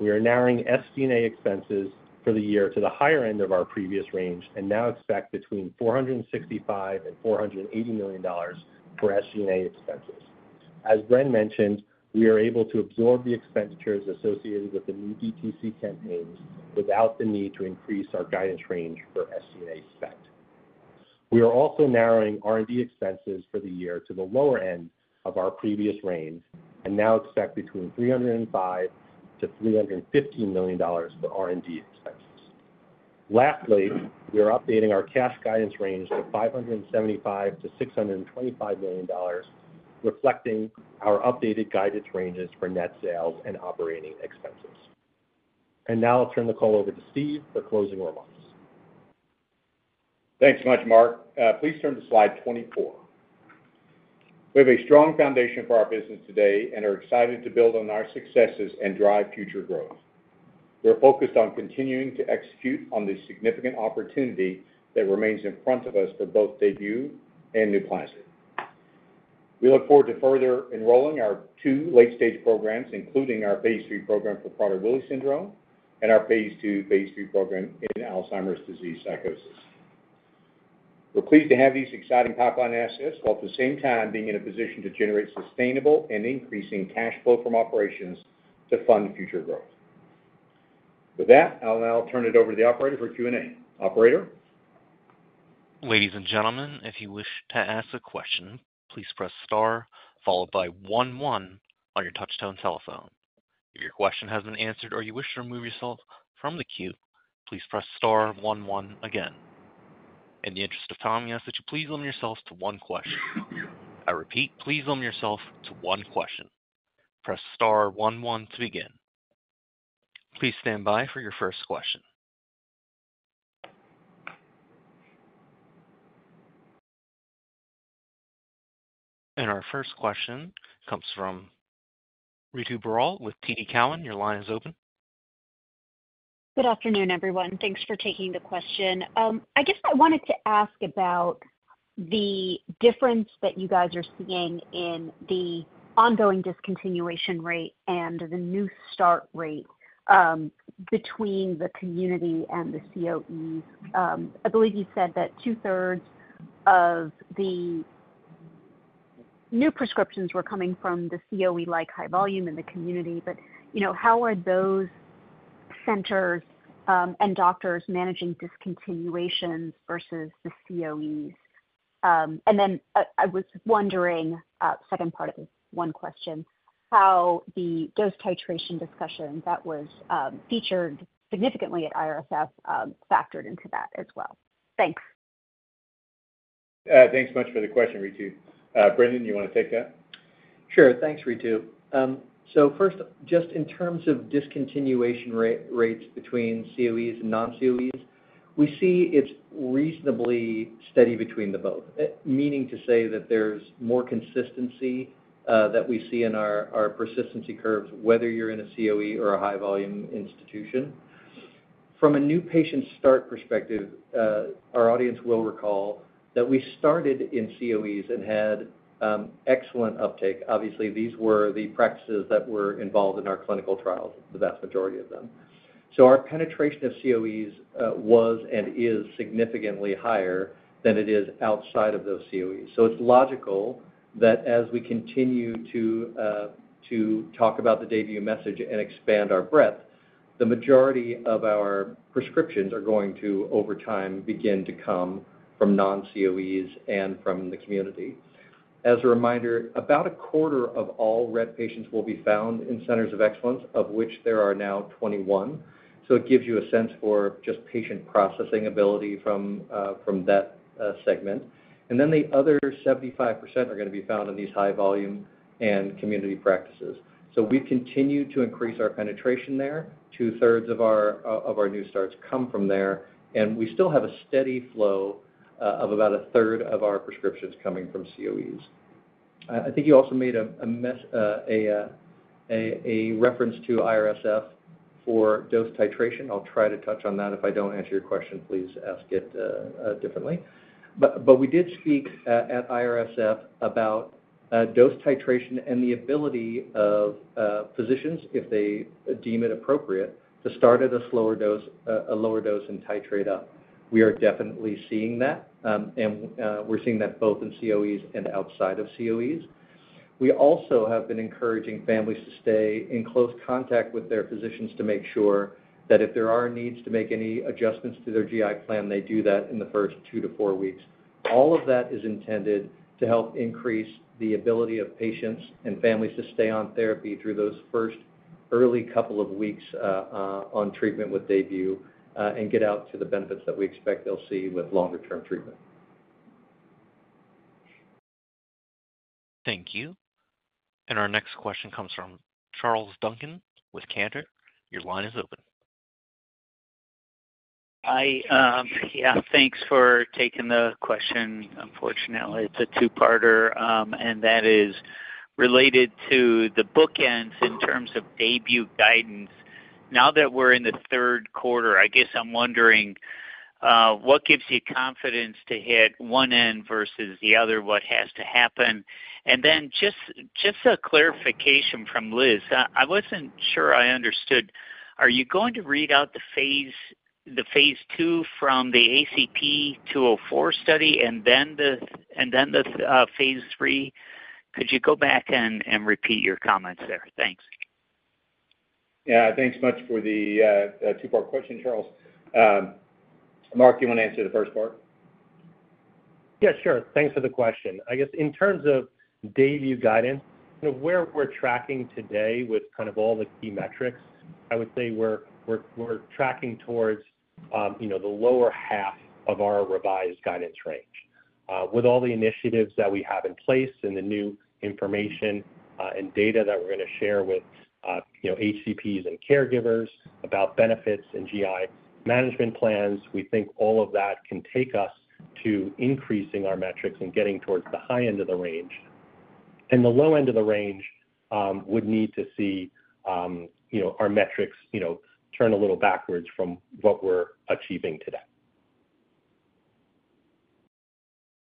We are narrowing SG&A expenses for the year to the higher end of our previous range and now expect between $465 million and $480 million for SG&A expenses. As Glenn mentioned, we are able to absorb the expenditures associated with the new DTC campaigns without the need to increase our guidance range for SG&A spent. We are also narrowing R&D expenses for the year to the lower end of our previous range and now expect between $305 million to $315 million for R&D expenses. Lastly, we are updating our cash guidance range to $575 million-$625 million, reflecting our updated guidance ranges for net sales and operating expenses. Now I'll turn the call over to Steve for closing remarks. Thanks much, Mark. Please turn to slide 24. We have a strong foundation for our business today and are excited to build on our successes and drive future growth. We're focused on continuing to execute on this significant opportunity that remains in front of us for both DAYBUE and NUPLAZID. We look forward to further enrolling our two late-stage programs, including our phase 3 program for Prader-Willi syndrome and our phase 2, phase 3 program in Alzheimer's disease psychosis. We're pleased to have these exciting pipeline assets, while at the same time being in a position to generate sustainable and increasing cash flow from operations to fund future growth. With that, I'll now turn it over to the operator for Q&A. Operator? Ladies and gentlemen, if you wish to ask a question, please press star followed by one, one on your touch-tone telephone. If your question has been answered or you wish to remove yourself from the queue, please press star one, one again. In the interest of time, we ask that you please limit yourselves to one question. I repeat, please limit yourself to one question. Press star one, one to begin. Please stand by for your first question. Our first question comes from Ritu Baral with TD Cowen. Your line is open. Good afternoon, everyone. Thanks for taking the question. I guess I wanted to ask about the difference that you guys are seeing in the ongoing discontinuation rate and the new start rate, between the community and the COEs. I believe you said that two-thirds of the new prescriptions were coming from the COE, like, high volume in the community, but, you know, how are those centers, and doctors managing discontinuations versus the COEs? And then, I was wondering, second part of this one question, how the dose titration discussion that was, featured significantly at IRSF, factored into that as well? Thanks. Thanks much for the question, Ritu. Brendan, you want to take that? Sure. Thanks, Ritu. So first, just in terms of discontinuation rates between COEs and non-COEs, we see it's reasonably steady between the both. Meaning to say that there's more consistency that we see in our persistency curves, whether you're in a COE or a high volume institution. From a new patient start perspective, our audience will recall that we started in COEs and had excellent uptake. Obviously, these were the practices that were involved in our clinical trials, the vast majority of them. So our penetration of COEs was and is significantly higher than it is outside of those COEs. So it's logical that as we continue to talk about the DAYBUE message and expand our breadth, the majority of our prescriptions are going to, over time, begin to come from non-COEs and from the community. As a reminder, about a quarter of all RET patients will be found in centers of excellence, of which there are now 21. So it gives you a sense for just patient processing ability from that segment. And then the other 75% are going to be found in these high volume and community practices. So we've continued to increase our penetration there. Two-thirds of our new starts come from there, and we still have a steady flow of about a third of our prescriptions coming from COEs. I think you also made a reference to IRSF for dose titration. I'll try to touch on that. If I don't answer your question, please ask it differently. But we did speak at IRSF about dose titration and the ability of physicians, if they deem it appropriate, to start at a slower dose, a lower dose and titrate up. We are definitely seeing that, and we're seeing that both in COEs and outside of COEs. We also have been encouraging families to stay in close contact with their physicians to make sure that if there are needs to make any adjustments to their GI plan, they do that in the first 2-4 weeks. All of that is intended to help increase the ability of patients and families to stay on therapy through those first early couple of weeks on treatment with DAYBUE, and get out to the benefits that we expect they'll see with longer-term treatment. Thank you. Our next question comes from Charles Duncan with Cantor. Your line is open. Yeah, thanks for taking the question. Unfortunately, it's a two-parter, and that is related to the bookends in terms of DAYBUE guidance. Now that we're in the third quarter, I guess I'm wondering, what gives you confidence to hit one end versus the other? What has to happen? And then just a clarification from Liz. I wasn't sure I understood. Are you going to read out the phase, the phase 2 from the ACP-204 study and then the phase 3? Could you go back and repeat your comments there? Thanks. Yeah, thanks much for the two-part question, Charles. Mark, you want to answer the first part? Yeah, sure. Thanks for the question. I guess in terms of DAYBUE guidance, where we're tracking today with kind of all the key metrics, I would say we're tracking towards, you know, the lower half of our revised guidance range. With all the initiatives that we have in place and the new information and data that we're going to share with, you know, HCPs and caregivers about benefits and GI management plans, we think all of that can take us to increasing our metrics and getting towards the high end of the range. In the low end of the range, would need to see, you know, our metrics, you know, turn a little backwards from what we're achieving today.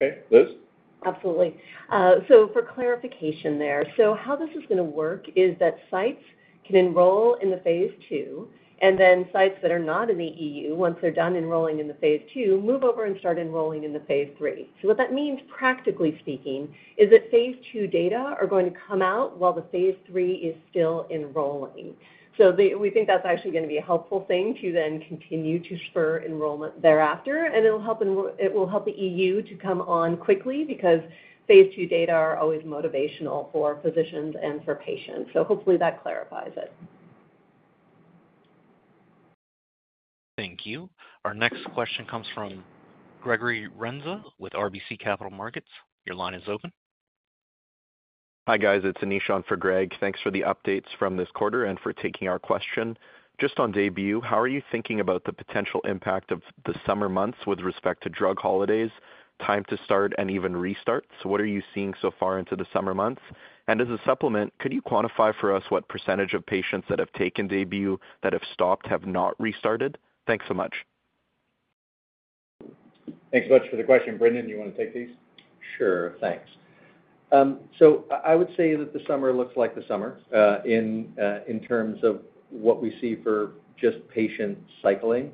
Okay, Liz? Absolutely. So for clarification there, so how this is going to work is that sites can enroll in the phase 2, and then sites that are not in the EU, once they're done enrolling in the phase 2, move over and start enrolling in the phase 3. So what that means, practically speaking, is that phase 2 data are going to come out while the phase 3 is still enrolling. So the... We think that's actually going to be a helpful thing to then continue to spur enrollment thereafter, and it will help the EU to come on quickly because phase 2 data are always motivational for physicians and for patients. So hopefully that clarifies it. Thank you. Our next question comes from Gregory Renza Hi, guys. It's Anish Nikhanj for Gregory Renza. Thanks for the updates from this quarter and for taking our question. Just on DAYBUE, how are you thinking about the potential impact of the summer months with respect to drug holidays, time to start and even restart? So what are you seeing so far into the summer months? And as a supplement, could you quantify for us what percentage of patients that have taken DAYBUE, that have stopped, have not restarted? Thanks so much. Thanks so much for the question. Brendan, do you want to take these? Sure. Thanks. So I would say that the summer looks like the summer in terms of what we see for just patient cycling.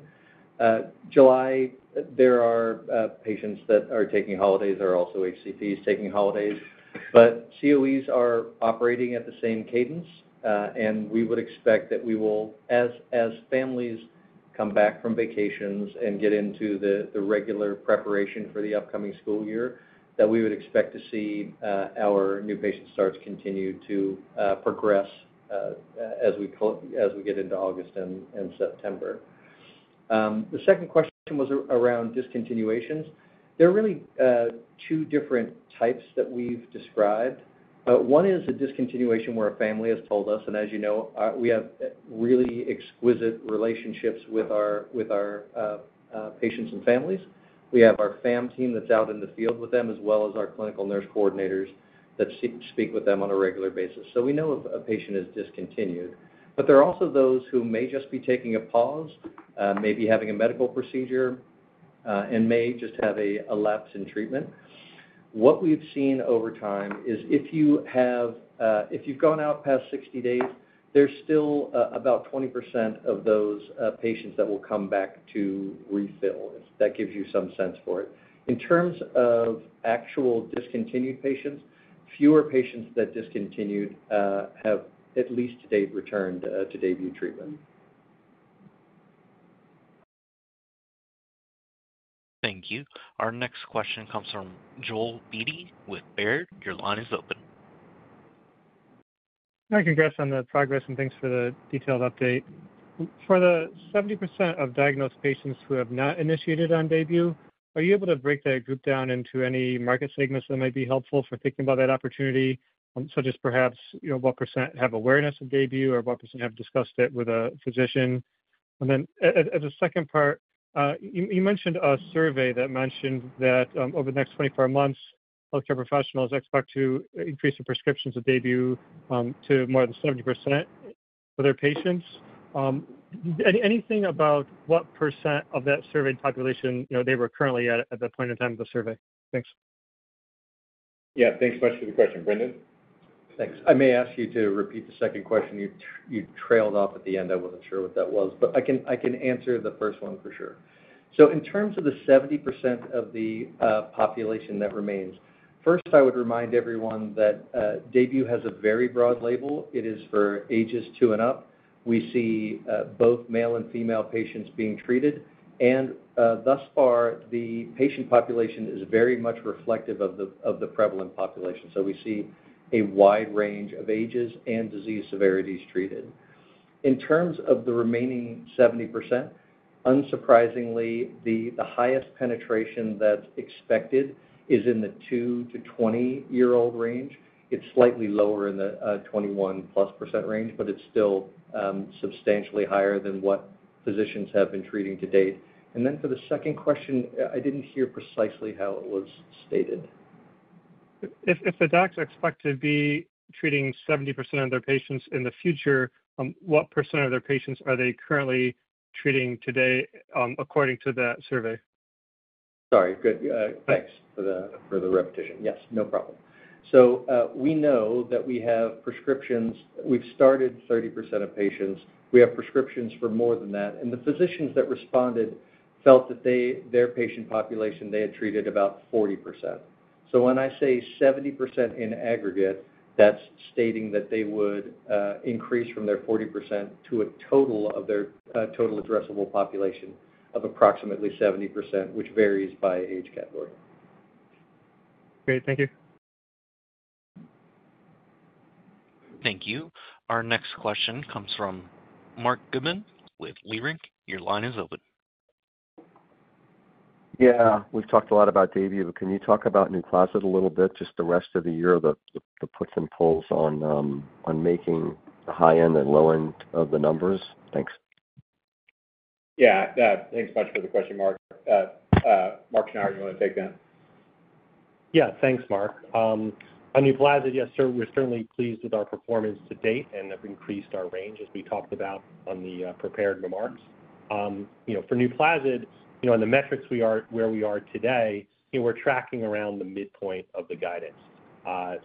July, there are patients that are taking holidays, there are also HCPs taking holidays, but COEs are operating at the same cadence, and we would expect that we will, as families come back from vacations and get into the regular preparation for the upcoming school year, that we would expect to see our new patient starts continue to progress as we get into August and September. The second question was around discontinuations. There are really two different types that we've described. One is a discontinuation where a family has told us, and as you know, we have really exquisite relationships with our, with our patients and families. We have our FAM team that's out in the field with them, as well as our clinical nurse coordinators that speak with them on a regular basis. So we know a patient is discontinued, but there are also those who may just be taking a pause, maybe having a medical procedure, and may just have a lapse in treatment. What we've seen over time is if you have, if you've gone out past 60 days, there's still about 20% of those patients that will come back to refill. If that gives you some sense for it. In terms of actual discontinued patients, fewer patients that discontinued have, at least to date, returned to DAYBUE treatment. Thank you. Our next question comes from Joel Beatty with Baird. Your line is open. Hi, congrats on the progress, and thanks for the detailed update. For the 70% of diagnosed patients who have not initiated on DAYBUE, are you able to break that group down into any market segments that might be helpful for thinking about that opportunity? So just perhaps, you know, what percent have awareness of DAYBUE, or what percent have discussed it with a physician? And then, as a second part, you mentioned a survey that mentioned that, over the next 24 months, healthcare professionals expect to increase the prescriptions of DAYBUE to more than 70% for their patients. Anything about what percent of that surveyed population, you know, they were currently at, at the point in time of the survey? Thanks. Yeah, thanks much for the question, Brendan. Thanks. I may ask you to repeat the second question. You trailed off at the end. I wasn't sure what that was, but I can answer the first one for sure. So in terms of the 70% of the population that remains, first, I would remind everyone that DAYBUE has a very broad label. It is for ages 2 and up. We see both male and female patients being treated, and thus far, the patient population is very much reflective of the prevalent population. So we see a wide range of ages and disease severities treated. In terms of the remaining 70%, unsurprisingly, the highest penetration that's expected is in the 2- to 20-year-old range. It's slightly lower in the 21+ percent range, but it's still substantially higher than what physicians have been treating to date. And then for the second question, I didn't hear precisely how it was stated. If the docs expect to be treating 70% of their patients in the future, what % of their patients are they currently treating today, according to that survey? Sorry, good. Thanks for the repetition. Yes, no problem. So, we know that we have prescriptions. We've started 30% of patients. We have prescriptions for more than that. And the physicians that responded felt that they, their patient population, they had treated about 40%. So when I say 70% in aggregate, that's stating that they would increase from their 40% to a total of their total addressable population of approximately 70%, which varies by age category. Great. Thank you. Thank you. Our next question comes from Marc Goodman with Leerink. Your line is open. Yeah, we've talked a lot about DAYBUE, but can you talk about NUPLAZID a little bit, just the rest of the year, the puts and pulls on, on making the high end and low end of the numbers? Thanks. Yeah, yeah. Thanks much for the question, Mark. Mark, do you want to take that? Yeah. Thanks, Mark. On NUPLAZID, yes, sir, we're certainly pleased with our performance to date and have increased our range, as we talked about on the prepared remarks. You know, for NUPLAZID, you know, in the metrics we are where we are today, you know, we're tracking around the midpoint of the guidance.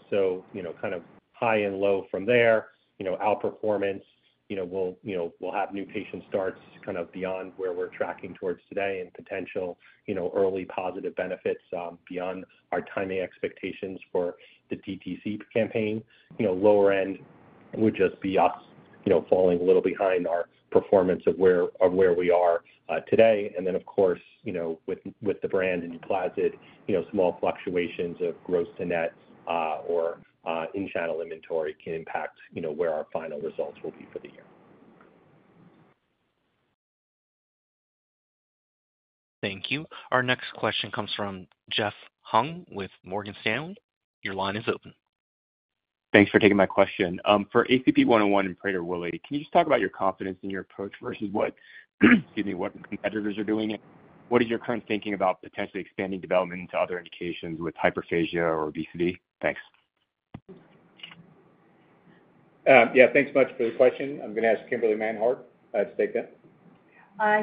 So, you know, kind of high and low from there, you know, outperformance, you know, we'll, you know, we'll have new patient starts kind of beyond where we're tracking towards today, and potential, you know, early positive benefits beyond our timing expectations for the DTC campaign. You know, lower end would just be us, you know, falling a little behind our performance of where, of where we are today. Then, of course, you know, with the brand and NUPLAZID, you know, small fluctuations of gross-to-net or in-channel inventory can impact, you know, where our final results will be for the year. Thank you. Our next question comes from Jeff Hung with Morgan Stanley. Your line is open. Thanks for taking my question. For ACP-101 and Prader-Willi, can you just talk about your confidence in your approach versus what, excuse me, what competitors are doing? What is your current thinking about potentially expanding development into other indications with hyperphagia or obesity? Thanks. Yeah, thanks much for the question. I'm going to ask Kimberly Manhard to take that.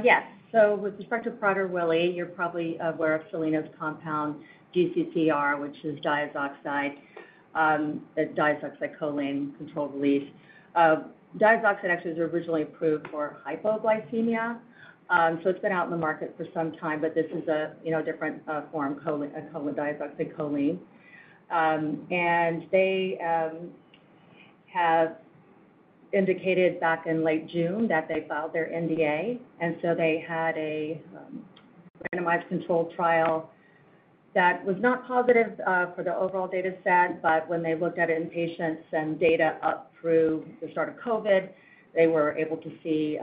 Yes. So with respect to Prader-Willi, you're probably aware of Soleno's compound, DCCR, which is diazoxide, diazoxide choline controlled release. Diazoxide actually was originally approved for hypoglycemia. So it's been out in the market for some time, but this is a, you know, different form, choline, diazoxide choline. And they have indicated back in late June that they filed their NDA, and so they had a randomized controlled trial that was not positive for the overall dataset, but when they looked at it in patients and data up through the start of COVID, they were able to see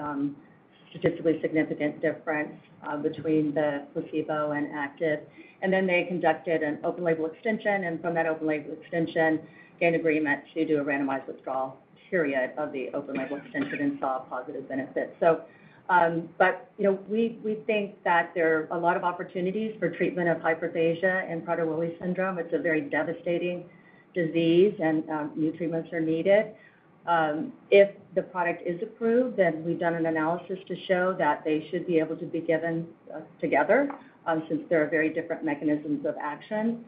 statistically significant difference between the placebo and active. And then they conducted an open label extension, and from that open label extension, gained agreement to do a randomized withdrawal period of the open label extension and saw a positive benefit. So, but, you know, we think that there are a lot of opportunities for treatment of hyperphagia and Prader-Willi syndrome. It's a very devastating disease, and new treatments are needed. If the product is approved, then we've done an analysis to show that they should be able to be given together, since there are very different mechanisms of action.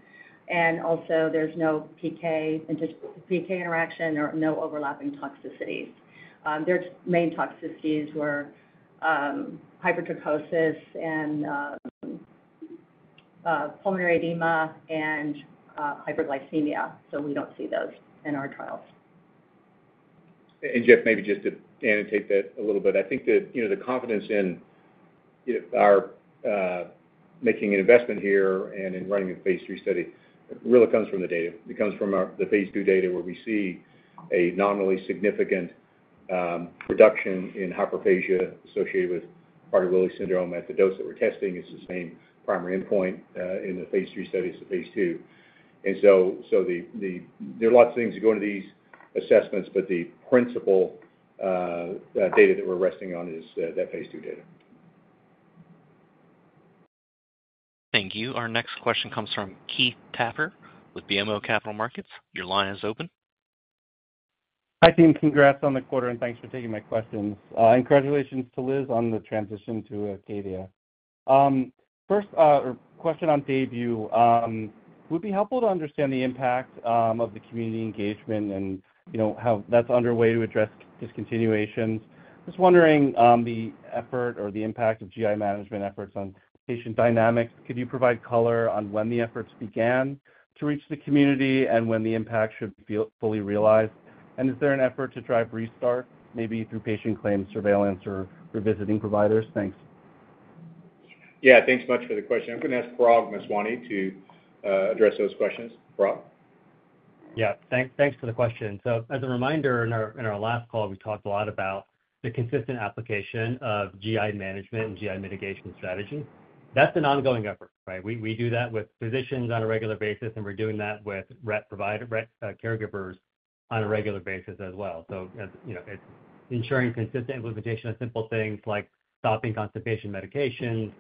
And also, there's no PK interaction or no overlapping toxicities. Their main toxicities were hypertrichosis and pulmonary edema and hyperglycemia, so we don't see those in our trials. Jeff, maybe just to annotate that a little bit. I think that, you know, the confidence in if our making an investment here and in running a phase 3 study really comes from the data. It comes from our the phase 2 data, where we see a nominally significant reduction in hyperphagia associated with Prader-Willi syndrome at the dose that we're testing. It's the same primary endpoint in the phase 3 study as the phase 2. And so, the there are lots of things that go into these assessments, but the principal data that we're resting on is that phase 2 data. Thank you. Our next question comes from Keith Tapper with BMO Capital Markets. Your line is open. Hi, team. Congrats on the quarter, and thanks for taking my questions. Congratulations to Liz on the transition to Acadia. First question on DAYBUE, would it be helpful to understand the impact of the community engagement and, you know, how that's underway to address discontinuations? Just wondering the effort or the impact of GI management efforts on patient dynamics. Could you provide color on when the efforts began to reach the community and when the impact should be felt fully realized? And is there an effort to drive restart, maybe through patient claim surveillance or revisiting providers? Thanks.... Yeah, thanks so much for the question. I'm going to ask Parag Meswani to address those questions. Parag? Yeah, thanks, thanks for the question. So as a reminder, in our, in our last call, we talked a lot about the consistent application of GI management and GI mitigation strategy. That's an ongoing effort, right? We, we do that with physicians on a regular basis, and we're doing that with rep provider- rep, caregivers on a regular basis as well. So, as you know, it's ensuring consistent implementation of simple things like stopping constipation medication,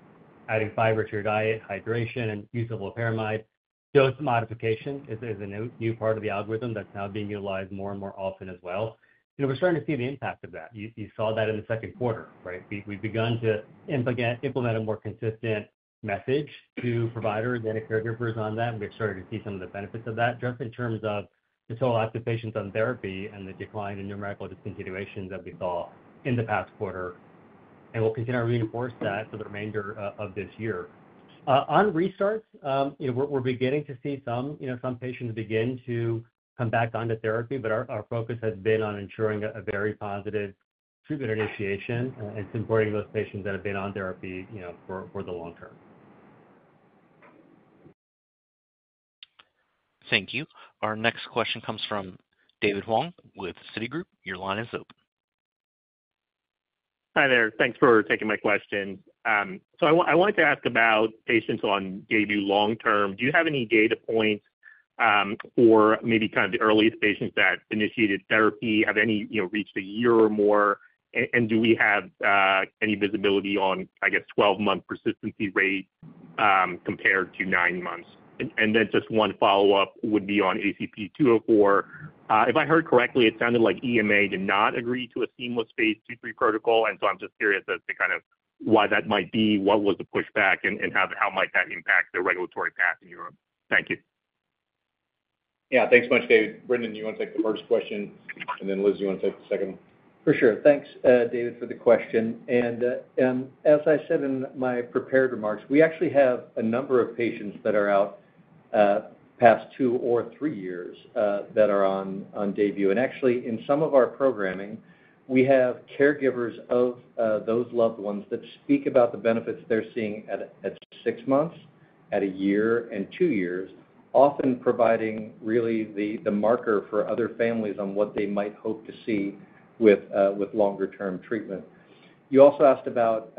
adding fiber to your diet, hydration, and use of loperamide. Dose modification is a, a new, new part of the algorithm that's now being utilized more and more often as well. You know, we're starting to see the impact of that. You, you saw that in the second quarter, right? We've begun to implement a more consistent message to providers and caregivers on that, and we've started to see some of the benefits of that just in terms of just a lot of the patients on therapy and the decline in numerical discontinuations that we saw in the past quarter, and we'll continue to reinforce that for the remainder of this year. On restarts, you know, we're beginning to see some, you know, some patients begin to come back onto therapy, but our focus has been on ensuring a very positive treatment initiation, and supporting those patients that have been on therapy, you know, for the long term. Thank you. Our next question comes from David Hoang with Citigroup. Your line is open. Hi there. Thanks for taking my question. So I want, I wanted to ask about patients on DAYBUE long term. Do you have any data points, or maybe kind of the earliest patients that initiated therapy, have any, you know, reached a year or more? And, and do we have, any visibility on, I guess, 12-month persistency rate, compared to 9 months? And, and then just one follow-up would be on ACP-204. If I heard correctly, it sounded like EMA did not agree to a seamless phase II-III protocol, and so I'm just curious as to kind of why that might be, what was the pushback, and, and how, how might that impact the regulatory path in Europe? Thank you. Yeah, thanks much, David. Brendan, you want to take the first question, and then Liz, you want to take the second one? For sure. Thanks, David, for the question. As I said in my prepared remarks, we actually have a number of patients that are out past 2 or 3 years that are on DAYBUE. And actually, in some of our programming, we have caregivers of those loved ones that speak about the benefits they're seeing at 6 months, at a year and 2 years, often providing really the marker for other families on what they might hope to see with longer-term treatment. You also asked about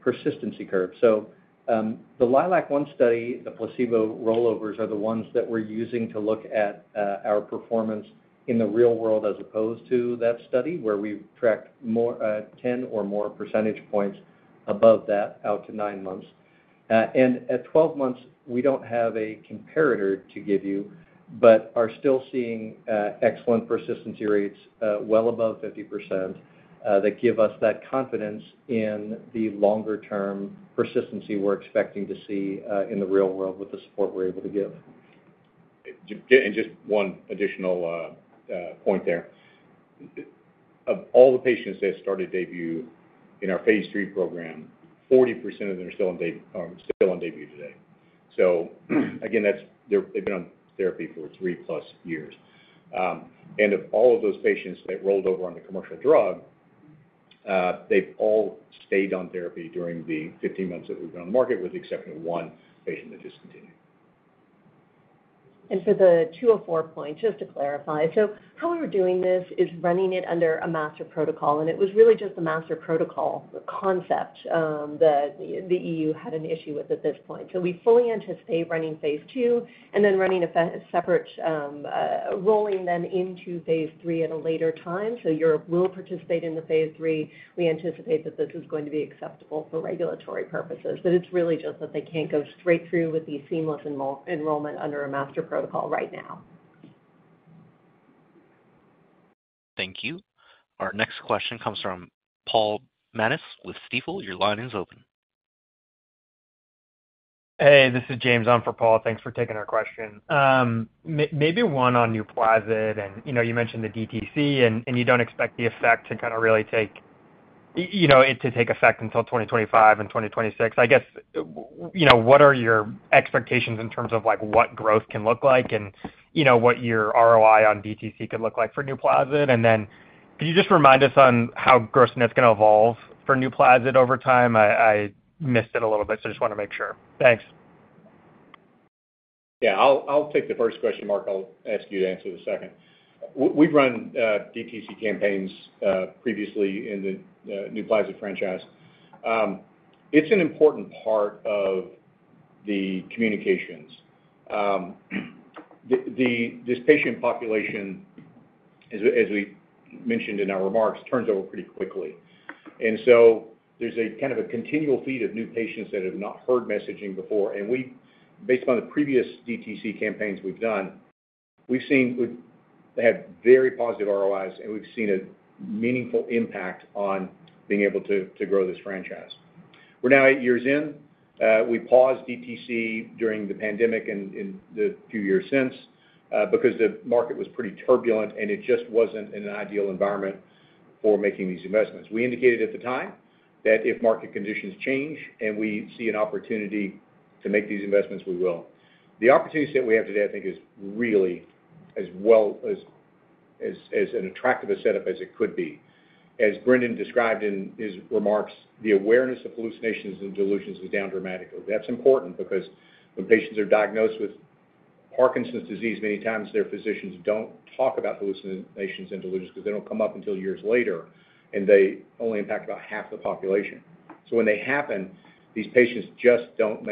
persistency curves. So, the LILAC-1 study, the placebo rollovers are the ones that we're using to look at our performance in the real world, as opposed to that study, where we've tracked more 10 or more percentage points above that out to 9 months. At 12 months, we don't have a comparator to give you, but are still seeing excellent persistency rates well above 50%, that give us that confidence in the longer-term persistency we're expecting to see in the real world with the support we're able to give. And just one additional point there. Of all the patients that started DAYBUE in our Phase III program, 40% of them are still on DAYBUE today. So again, that's they've been on therapy for 3+ years. And of all of those patients that rolled over on the commercial drug, they've all stayed on therapy during the 15 months that we've been on the market, with the exception of one patient that discontinued. For the 204 point, just to clarify: So how we're doing this is running it under a master protocol, and it was really just the master protocol concept that the EU had an issue with at this point. So we fully anticipate running phase II and then running a separate, rolling them into phase III at a later time. So Europe will participate in the phase III. We anticipate that this is going to be acceptable for regulatory purposes, but it's really just that they can't go straight through with the seamless enrollment under a master protocol right now. Thank you. Our next question comes from Paul Matteis with Stifel. Your line is open. Hey, this is James on for Paul. Thanks for taking our question. Maybe one on NUPLAZID, and, you know, you mentioned the DTC, and you don't expect the effect to kind of really take... you know, it to take effect until 2025 and 2026. I guess, you know, what are your expectations in terms of, like, what growth can look like? And, you know, what your ROI on DTC could look like for NUPLAZID. And then can you just remind us on how gross-to-net's going to evolve for NUPLAZID over time? I missed it a little bit, so just want to make sure. Thanks. Yeah, I'll take the first question, Mark. I'll ask you to answer the second. We've run DTC campaigns previously in the NUPLAZID franchise. It's an important part of the communications. This patient population, as we mentioned in our remarks, turns over pretty quickly. And so there's a kind of a continual feed of new patients that have not heard messaging before, and we based on the previous DTC campaigns we've done, we've seen we've had very positive ROIs, and we've seen a meaningful impact on being able to grow this franchise. We're now eight years in. We paused DTC during the pandemic and the few years since because the market was pretty turbulent, and it just wasn't an ideal environment for making these investments. We indicated at the time that if market conditions change and we see an opportunity to make these investments, we will. The opportunities that we have today, I think, is really as attractive a setup as it could be. As Brendan described in his remarks, the awareness of hallucinations and delusions is down dramatically. That's important because when patients are diagnosed with Parkinson's disease, many times their physicians don't talk about hallucinations and delusions because they don't come up until years later, and they only impact about half the population. So when they happen, these patients just don't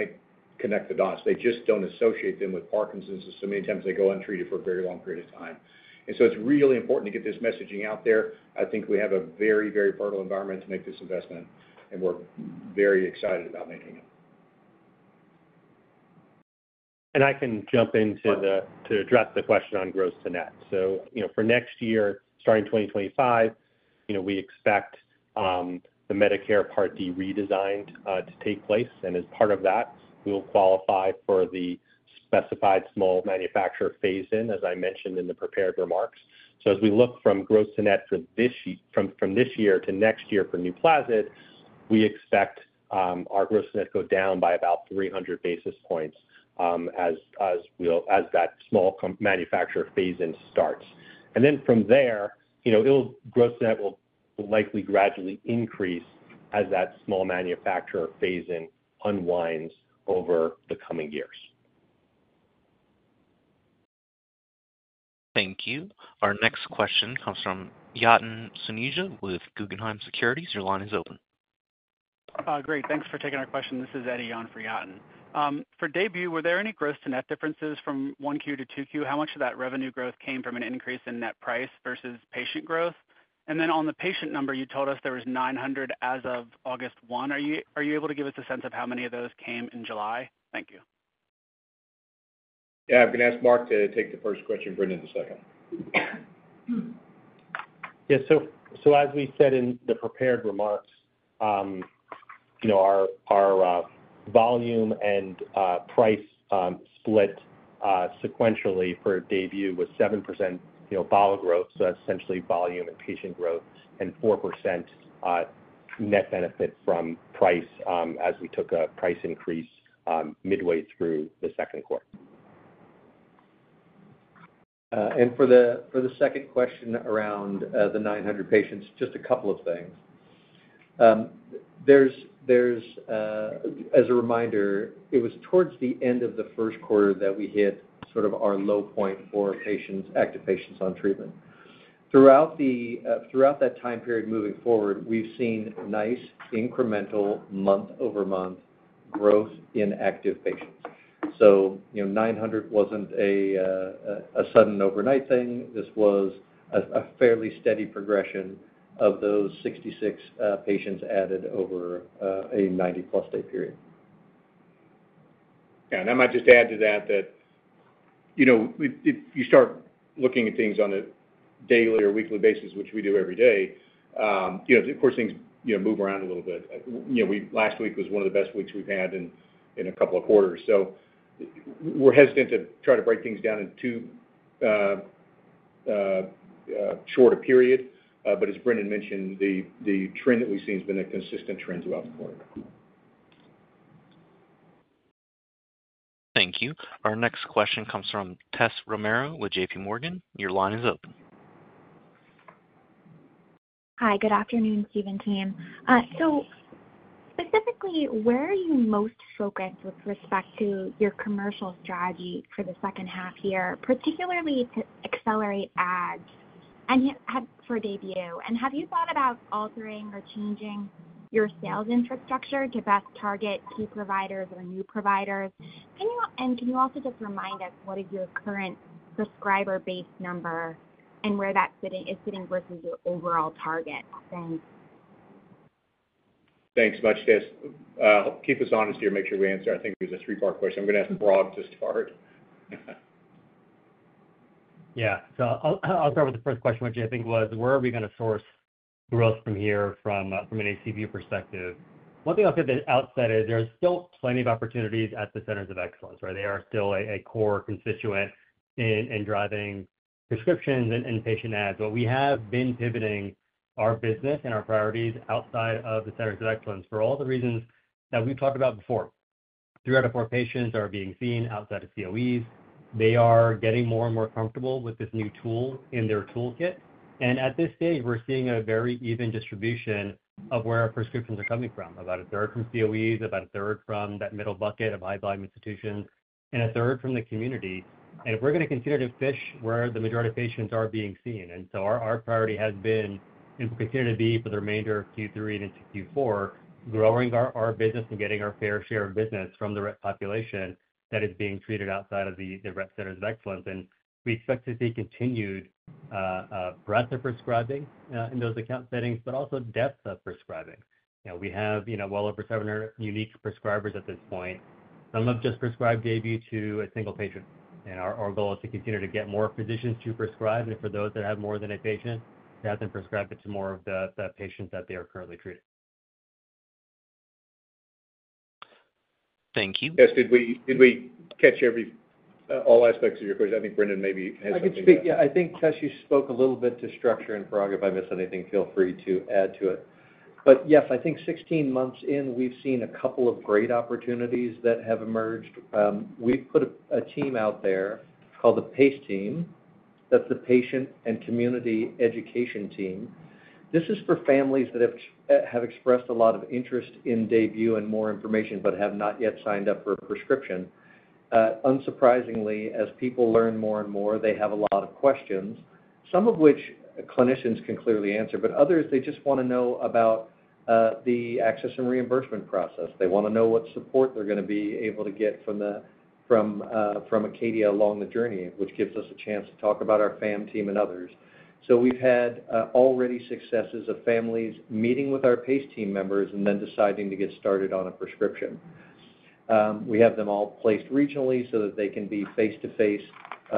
connect the dots. They just don't associate them with Parkinson's, so many times they go untreated for a very long period of time. And so it's really important to get this messaging out there. I think we have a very, very fertile environment to make this investment, and we're very excited about making it. And I can jump into to address the question on gross to net. So, you know, for next year, starting 2025, you know, we expect the Medicare Part D redesign to take place, and as part of that, we will qualify for the Specified Small Manufacturer Phase-In, as I mentioned in the prepared remarks. So as we look from gross to net from this year to next year for NUPLAZID, we expect our gross net go down by about 300 basis points, as that small manufacturer phase in starts. And then from there, you know, it'll gross net will likely gradually increase as that small manufacturer phase in unwinds over the coming years. Thank you. Our next question comes from Yatin Suneja with Guggenheim Securities. Your line is open. Great. Thanks for taking our question. This is Eddie on for Yatin. For DAYBUE, were there any gross-to-net differences from one Q to two Q? How much of that revenue growth came from an increase in net price versus patient growth? And then on the patient number, you told us there was 900 as of August 1. Are you, are you able to give us a sense of how many of those came in July? Thank you. Yeah, I'm going to ask Mark to take the first question, Brendan, the second. Yeah, so as we said in the prepared remarks, you know, our volume and price split sequentially for DAYBUE was 7%, you know, vol growth, so that's essentially volume and patient growth, and 4% net benefit from price as we took a price increase midway through the second quarter. And for the second question around the 900 patients, just a couple of things. There's as a reminder, it was towards the end of the first quarter that we hit sort of our low point for patients, active patients on treatment. Throughout that time period moving forward, we've seen nice incremental month-over-month growth in active patients. So, you know, 900 wasn't a sudden overnight thing. This was a fairly steady progression of those 66 patients added over a 90-plus day period. I might just add to that, you know, if you start looking at things on a daily or weekly basis, which we do every day, you know, of course, things, you know, move around a little bit. You know, last week was one of the best weeks we've had in a couple of quarters. So we're hesitant to try to break things down into a shorter period. But as Brendan mentioned, the trend that we've seen has been a consistent trend throughout the quarter. Thank you. Our next question comes from Tessa Romero with J.P. Morgan. Your line is open. Hi, good afternoon, Steve and team. So specifically, where are you most focused with respect to your commercial strategy for the second half year, particularly to accelerate ads and have for DAYBUE? And have you thought about altering or changing your sales infrastructure to best target key providers or new providers? Can you... And can you also just remind us what is your current subscriber base number and where that is sitting versus your overall target? Thanks. Thanks much, Tess. Keep us honest here, make sure we answer. I think it was a three-part question. I'm going to ask Parag to start. Yeah. So I'll, I'll start with the first question, which I think was, where are we going to source growth from here from a, from a DAYBUE perspective? One thing I'll say at the outset is there are still plenty of opportunities at the centers of excellence, right? They are still a, a core constituent in, in driving prescriptions and, and patient adds. But we have been pivoting our business and our priorities outside of the centers of excellence for all the reasons that we've talked about before. Three out of four patients are being seen outside of COEs. They are getting more and more comfortable with this new tool in their toolkit. And at this stage, we're seeing a very even distribution of where our prescriptions are coming from. About a third from COEs, about a third from that middle bucket of high volume institutions, and a third from the community. And if we're going to consider to fish where the majority of patients are being seen, and so our, our priority has been, and continue to be for the remainder of Q3 and into Q4, growing our, our business and getting our fair share of business from the right population that is being treated outside of the, the Rett centers of excellence. And we expect to see continued, a breadth of prescribing, in those account settings, but also depth of prescribing. You know, we have, you know, well over 700 unique prescribers at this point. Some of them just prescribe DAYBUE to a single patient, and our goal is to continue to get more physicians to prescribe, and for those that have more than a patient, to have them prescribe it to more of the patients that they are currently treating. Thank you. Tess, did we, did we catch every-- all aspects of your question? I think Brendan maybe had something to add. I could speak. Yeah, I think, Tess, you spoke a little bit to structure, and Parag, if I miss anything, feel free to add to it. But yes, I think 16 months in, we've seen a couple of great opportunities that have emerged. We've put a team out there called the PACE team. That's the Patient and Community Education team. This is for families that have expressed a lot of interest in DAYBUE and more information, but have not yet signed up for a prescription. Unsurprisingly, as people learn more and more, they have a lot of questions, some of which clinicians can clearly answer, but others, they just want to know about the access and reimbursement process. They want to know what support they're going to be able to get from Acadia along the journey, which gives us a chance to talk about our FAM team and others. So we've had already successes of families meeting with our PACE team members and then deciding to get started on a prescription. We have them all placed regionally so that they can be face-to-face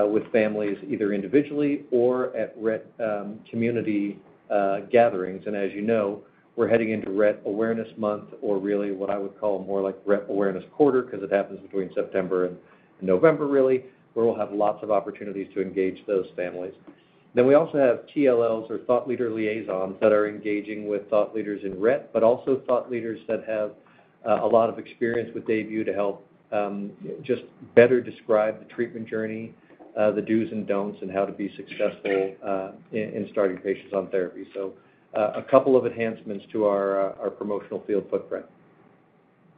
with families, either individually or at Rett community gatherings. And as you know, we're heading into Rett Awareness Month or really, what I would call more like Rett Awareness Quarter, 'cause it happens between September and November, really, where we'll have lots of opportunities to engage those families. Then we also have TLLs or thought leader liaisons that are engaging with thought leaders in Rett, but also thought leaders that have a lot of experience with DAYBUE to help just better describe the treatment journey, the dos and don'ts, and how to be successful in starting patients on therapy. So, a couple of enhancements to our promotional field footprint.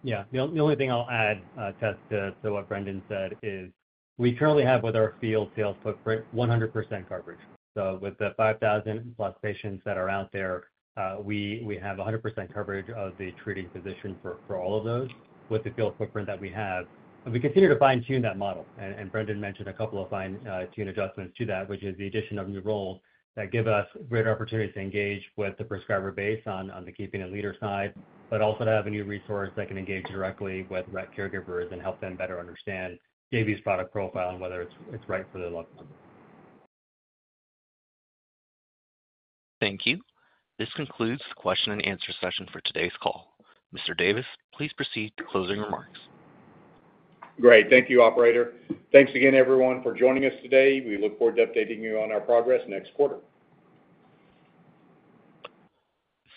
Yeah. The only thing I'll add, Tess, is a couple of fine-tune adjustments to that, which is the addition of new roles that give us greater opportunities to engage with the prescriber base on the key opinion leader side, but also to have a new resource that can engage directly with Rett caregivers and help them better understand DAYBUE's product profile and whether it's right for their loved one. Thank you. This concludes the question and answer session for today's call. Mr. Davis, please proceed to closing remarks. Great. Thank you, operator. Thanks again, everyone, for joining us today. We look forward to updating you on our progress next quarter.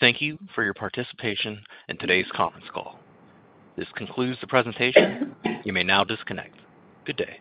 Thank you for your participation in today's conference call. This concludes the presentation. You may now disconnect. Good day.